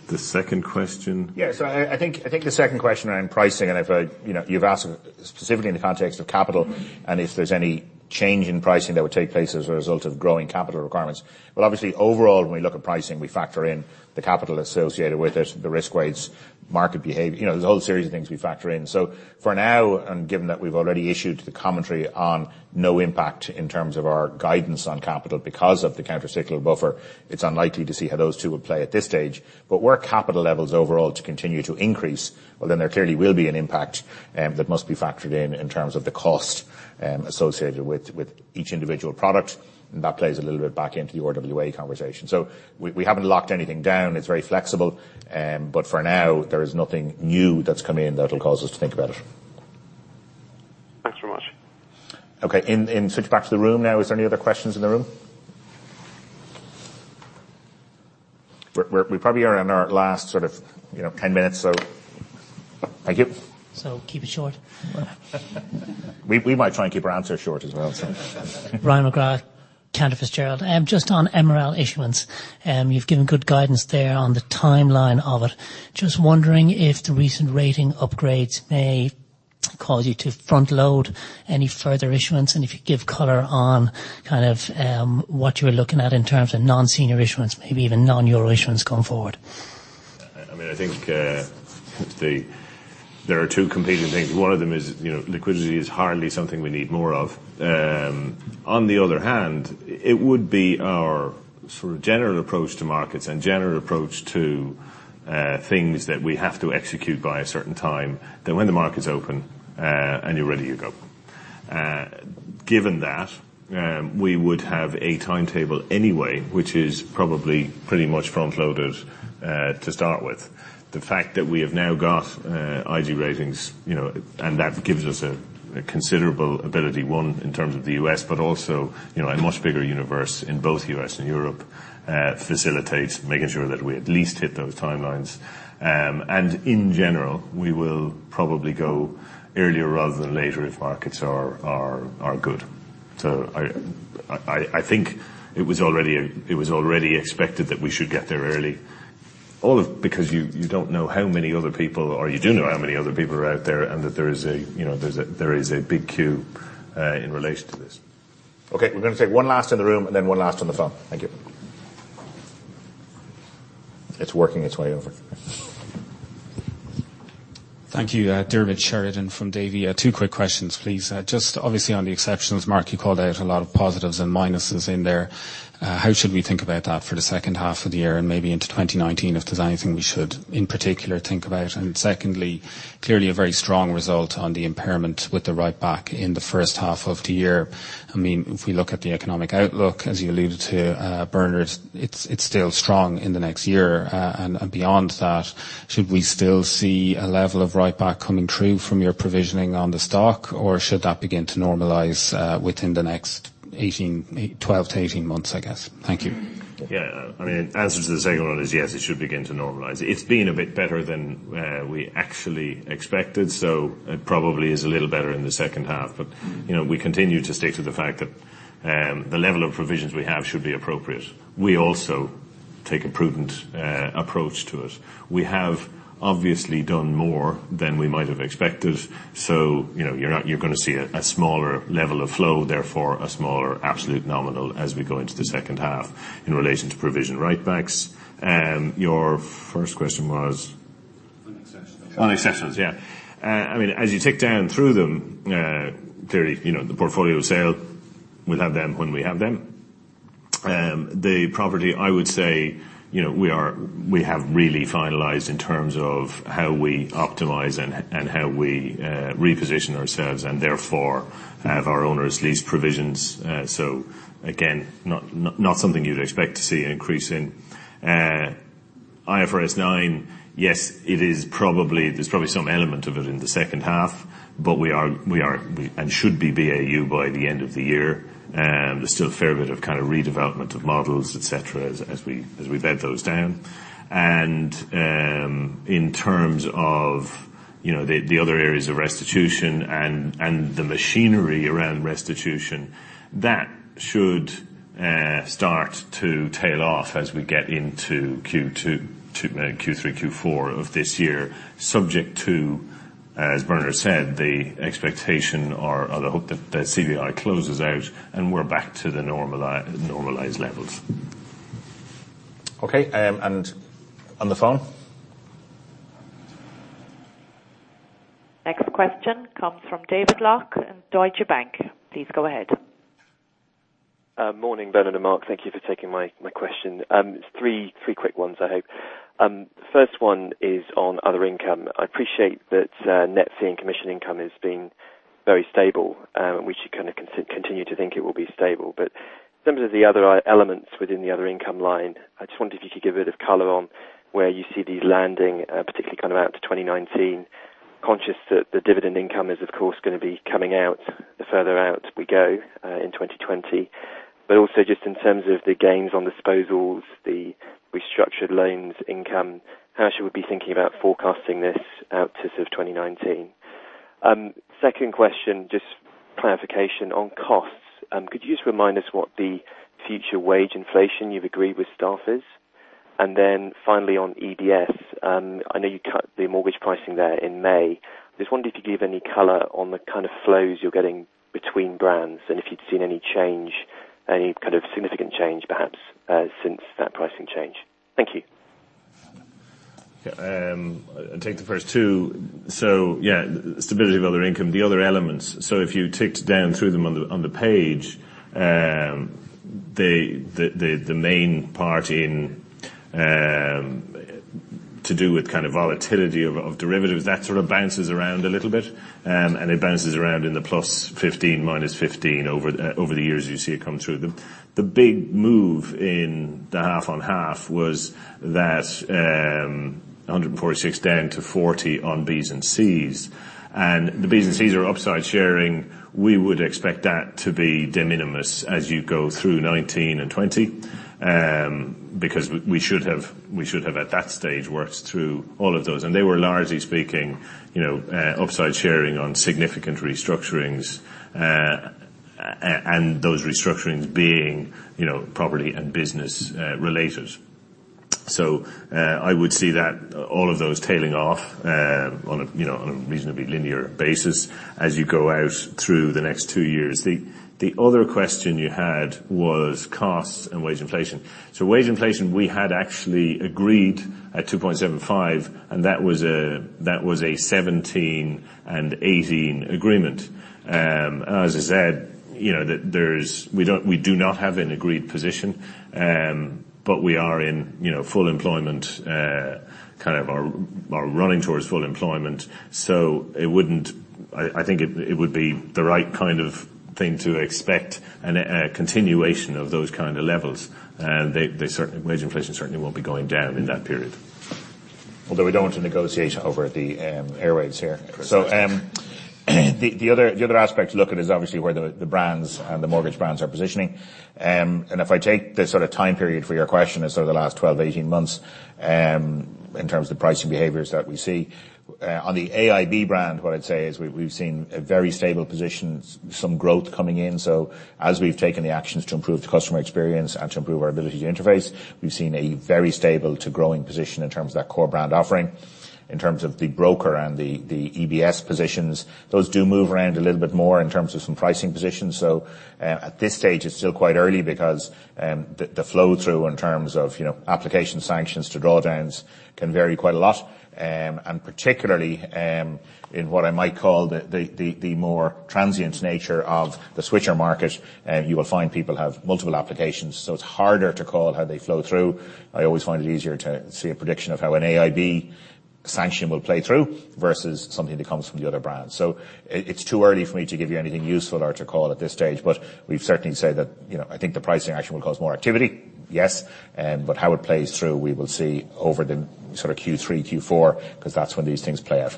The second question. I think the second question around pricing, and you've asked specifically in the context of capital and if there's any change in pricing that would take place as a result of growing capital requirements. Well, obviously, overall, when we look at pricing, we factor in the capital associated with it, the risk weights, market behavior, there's a whole series of things we factor in. For now, and given that we've already issued the commentary on no impact in terms of our guidance on capital because of the countercyclical buffer, it's unlikely to see how those two would play at this stage. Were capital levels overall to continue to increase, well, there clearly will be an impact that must be factored in terms of the cost associated with each individual product. That plays a little bit back into your RWA conversation. We haven't locked anything down. It's very flexible. For now, there is nothing new that's come in that'll cause us to think about it. Thanks very much. Okay. Switching back to the room now. Is there any other questions in the room? We probably are in our last sort of 10 minutes. Thank you. Keep it short. We might try and keep our answers short as well. Ryan McGrath, Cantor Fitzgerald. Just on MREL issuance. You've given good guidance there on the timeline of it. Just wondering if the recent rating upgrades may cause you to front-load any further issuance, and if you'd give color on kind of what you were looking at in terms of non-senior issuance, maybe even non-EUR issuance going forward. I think there are two competing things. One of them is liquidity is hardly something we need more of. It would be our sort of general approach to markets and general approach to things that we have to execute by a certain time that when the market's open and you're ready, you go. Given that, we would have a timetable anyway, which is probably pretty much front-loaded to start with. The fact that we have now got IG ratings, and that gives us a considerable ability, one, in terms of the U.S., but also a much bigger universe in both U.S. and Europe, facilitates making sure that we at least hit those timelines. In general, we will probably go earlier rather than later if markets are good. I think it was already expected that we should get there early. All because you don't know how many other people, or you do know how many other people are out there, and that there is a big queue in relation to this. We're going to take one last in the room and then one last on the phone. Thank you. It's working its way over. Thank you. Diarmaid Sheridan from Davy. Two quick questions, please. Just obviously on the exceptions, Mark, you called out a lot of positives and minuses in there. How should we think about that for the second half of the year and maybe into 2019 if there's anything we should in particular think about? Secondly, clearly a very strong result on the impairment with the write-back in the first half of the year. If we look at the economic outlook as you alluded to, Bernard, it's still strong in the next year. Beyond that, should we still see a level of write-back coming through from your provisioning on the stock, or should that begin to normalize within the next 12-18 months, I guess? Thank you. Yeah. Answer to the second one is, yes, it should begin to normalize. It's been a bit better than we actually expected, so it probably is a little better in the second half. We continue to stick to the fact that the level of provisions we have should be appropriate. We also take a prudent approach to it. We have obviously done more than we might have expected, so you're going to see a smaller level of flow, therefore a smaller absolute nominal as we go into the second half in relation to provision write-backs. Your first question was- On exceptions On exceptions, yeah. As you tick down through them, clearly, the portfolio sale, we'll have them when we have them. The property, I would say, we have really finalized in terms of how we optimize and how we reposition ourselves and therefore have our owners lease provisions. Again, not something you'd expect to see an increase in. IFRS 9, yes, there's probably some element of it in the second half, but we are and should be BAU by the end of the year. There's still a fair bit of kind of redevelopment of models, et cetera, as we bed those down. In terms of the other areas of restitution and the machinery around restitution, that should start to tail off as we get into Q3, Q4 of this year, subject to, as Bernard said, the expectation or the hope that CBI closes out and we're back to the normalized levels. Okay. On the phone. Next question comes from David Locke in Deutsche Bank. Please go ahead. Morning, Bernard and Mark. Thank you for taking my question. three quick ones, I hope. First one is on other income. I appreciate that net fee and commission income has been very stable. We should kind of continue to think it will be stable. In terms of the other elements within the other income line, I just wondered if you could give a bit of color on where you see these landing, particularly kind of out to 2019. Conscious that the dividend income is, of course, going to be coming out the further out we go in 2020. Also just in terms of the gains on disposals, the restructured loans income, how should we be thinking about forecasting this out to sort of 2019? Second question, just clarification on costs. Could you just remind us what the future wage inflation you've agreed with staff is? Finally on EBS, I know you cut the mortgage pricing there in May. Just wondered if you could give any color on the kind of flows you're getting between brands and if you'd seen any change, any kind of significant change perhaps, since that pricing change. Thank you. I'll take the first two. Yeah, stability of other income, the other elements. If you ticked down through them on the page, the main part to do with kind of volatility of derivatives, that sort of bounces around a little bit, and it bounces around in the +15, -15 over the years you see it come through. The big move in the half-on-half was that 146 down to 40 on Bs and Cs. The Bs and Cs are upside sharing. We would expect that to be de minimis as you go through 2019 and 2020, because we should have, at that stage, worked through all of those. They were largely speaking upside sharing on significant restructurings, and those restructurings being property and business related. I would see all of those tailing off on a reasonably linear basis as you go out through the next two years. The other question you had was costs and wage inflation. Wage inflation, we had actually agreed at 2.75%, and that was a 2017 and 2018 agreement. As I said, we do not have an agreed position, but we are in full employment, kind of, or running towards full employment. I think it would be the right kind of thing to expect a continuation of those kind of levels. Wage inflation certainly won't be going down in that period. Although we don't want to negotiate over the airwaves here. Of course. The other aspect to look at is obviously where the brands and the mortgage brands are positioning. If I take the sort of time period for your question as sort of the last 12 to 18 months, in terms of the pricing behaviors that we see. On the AIB brand, what I'd say is we've seen a very stable position, some growth coming in. As we've taken the actions to improve the customer experience and to improve our ability to interface, we've seen a very stable to growing position in terms of that core brand offering. In terms of the broker and the EBS positions, those do move around a little bit more in terms of some pricing positions. At this stage, it's still quite early because the flow through in terms of application sanctions to drawdowns can vary quite a lot. Particularly, in what I might call the more transient nature of the switcher market, you will find people have multiple applications, so it's harder to call how they flow through. I always find it easier to see a prediction of how an AIB sanction will play through versus something that comes from the other brands. It's too early for me to give you anything useful or to call at this stage, but we've certainly said that I think the pricing action will cause more activity, yes. How it plays through, we will see over the sort of Q3, Q4, because that's when these things play out.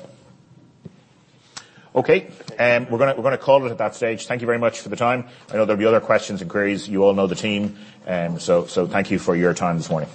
Okay. We're going to call it at that stage. Thank you very much for the time. I know there'll be other questions and queries. You all know the team. Thank you for your time this morning.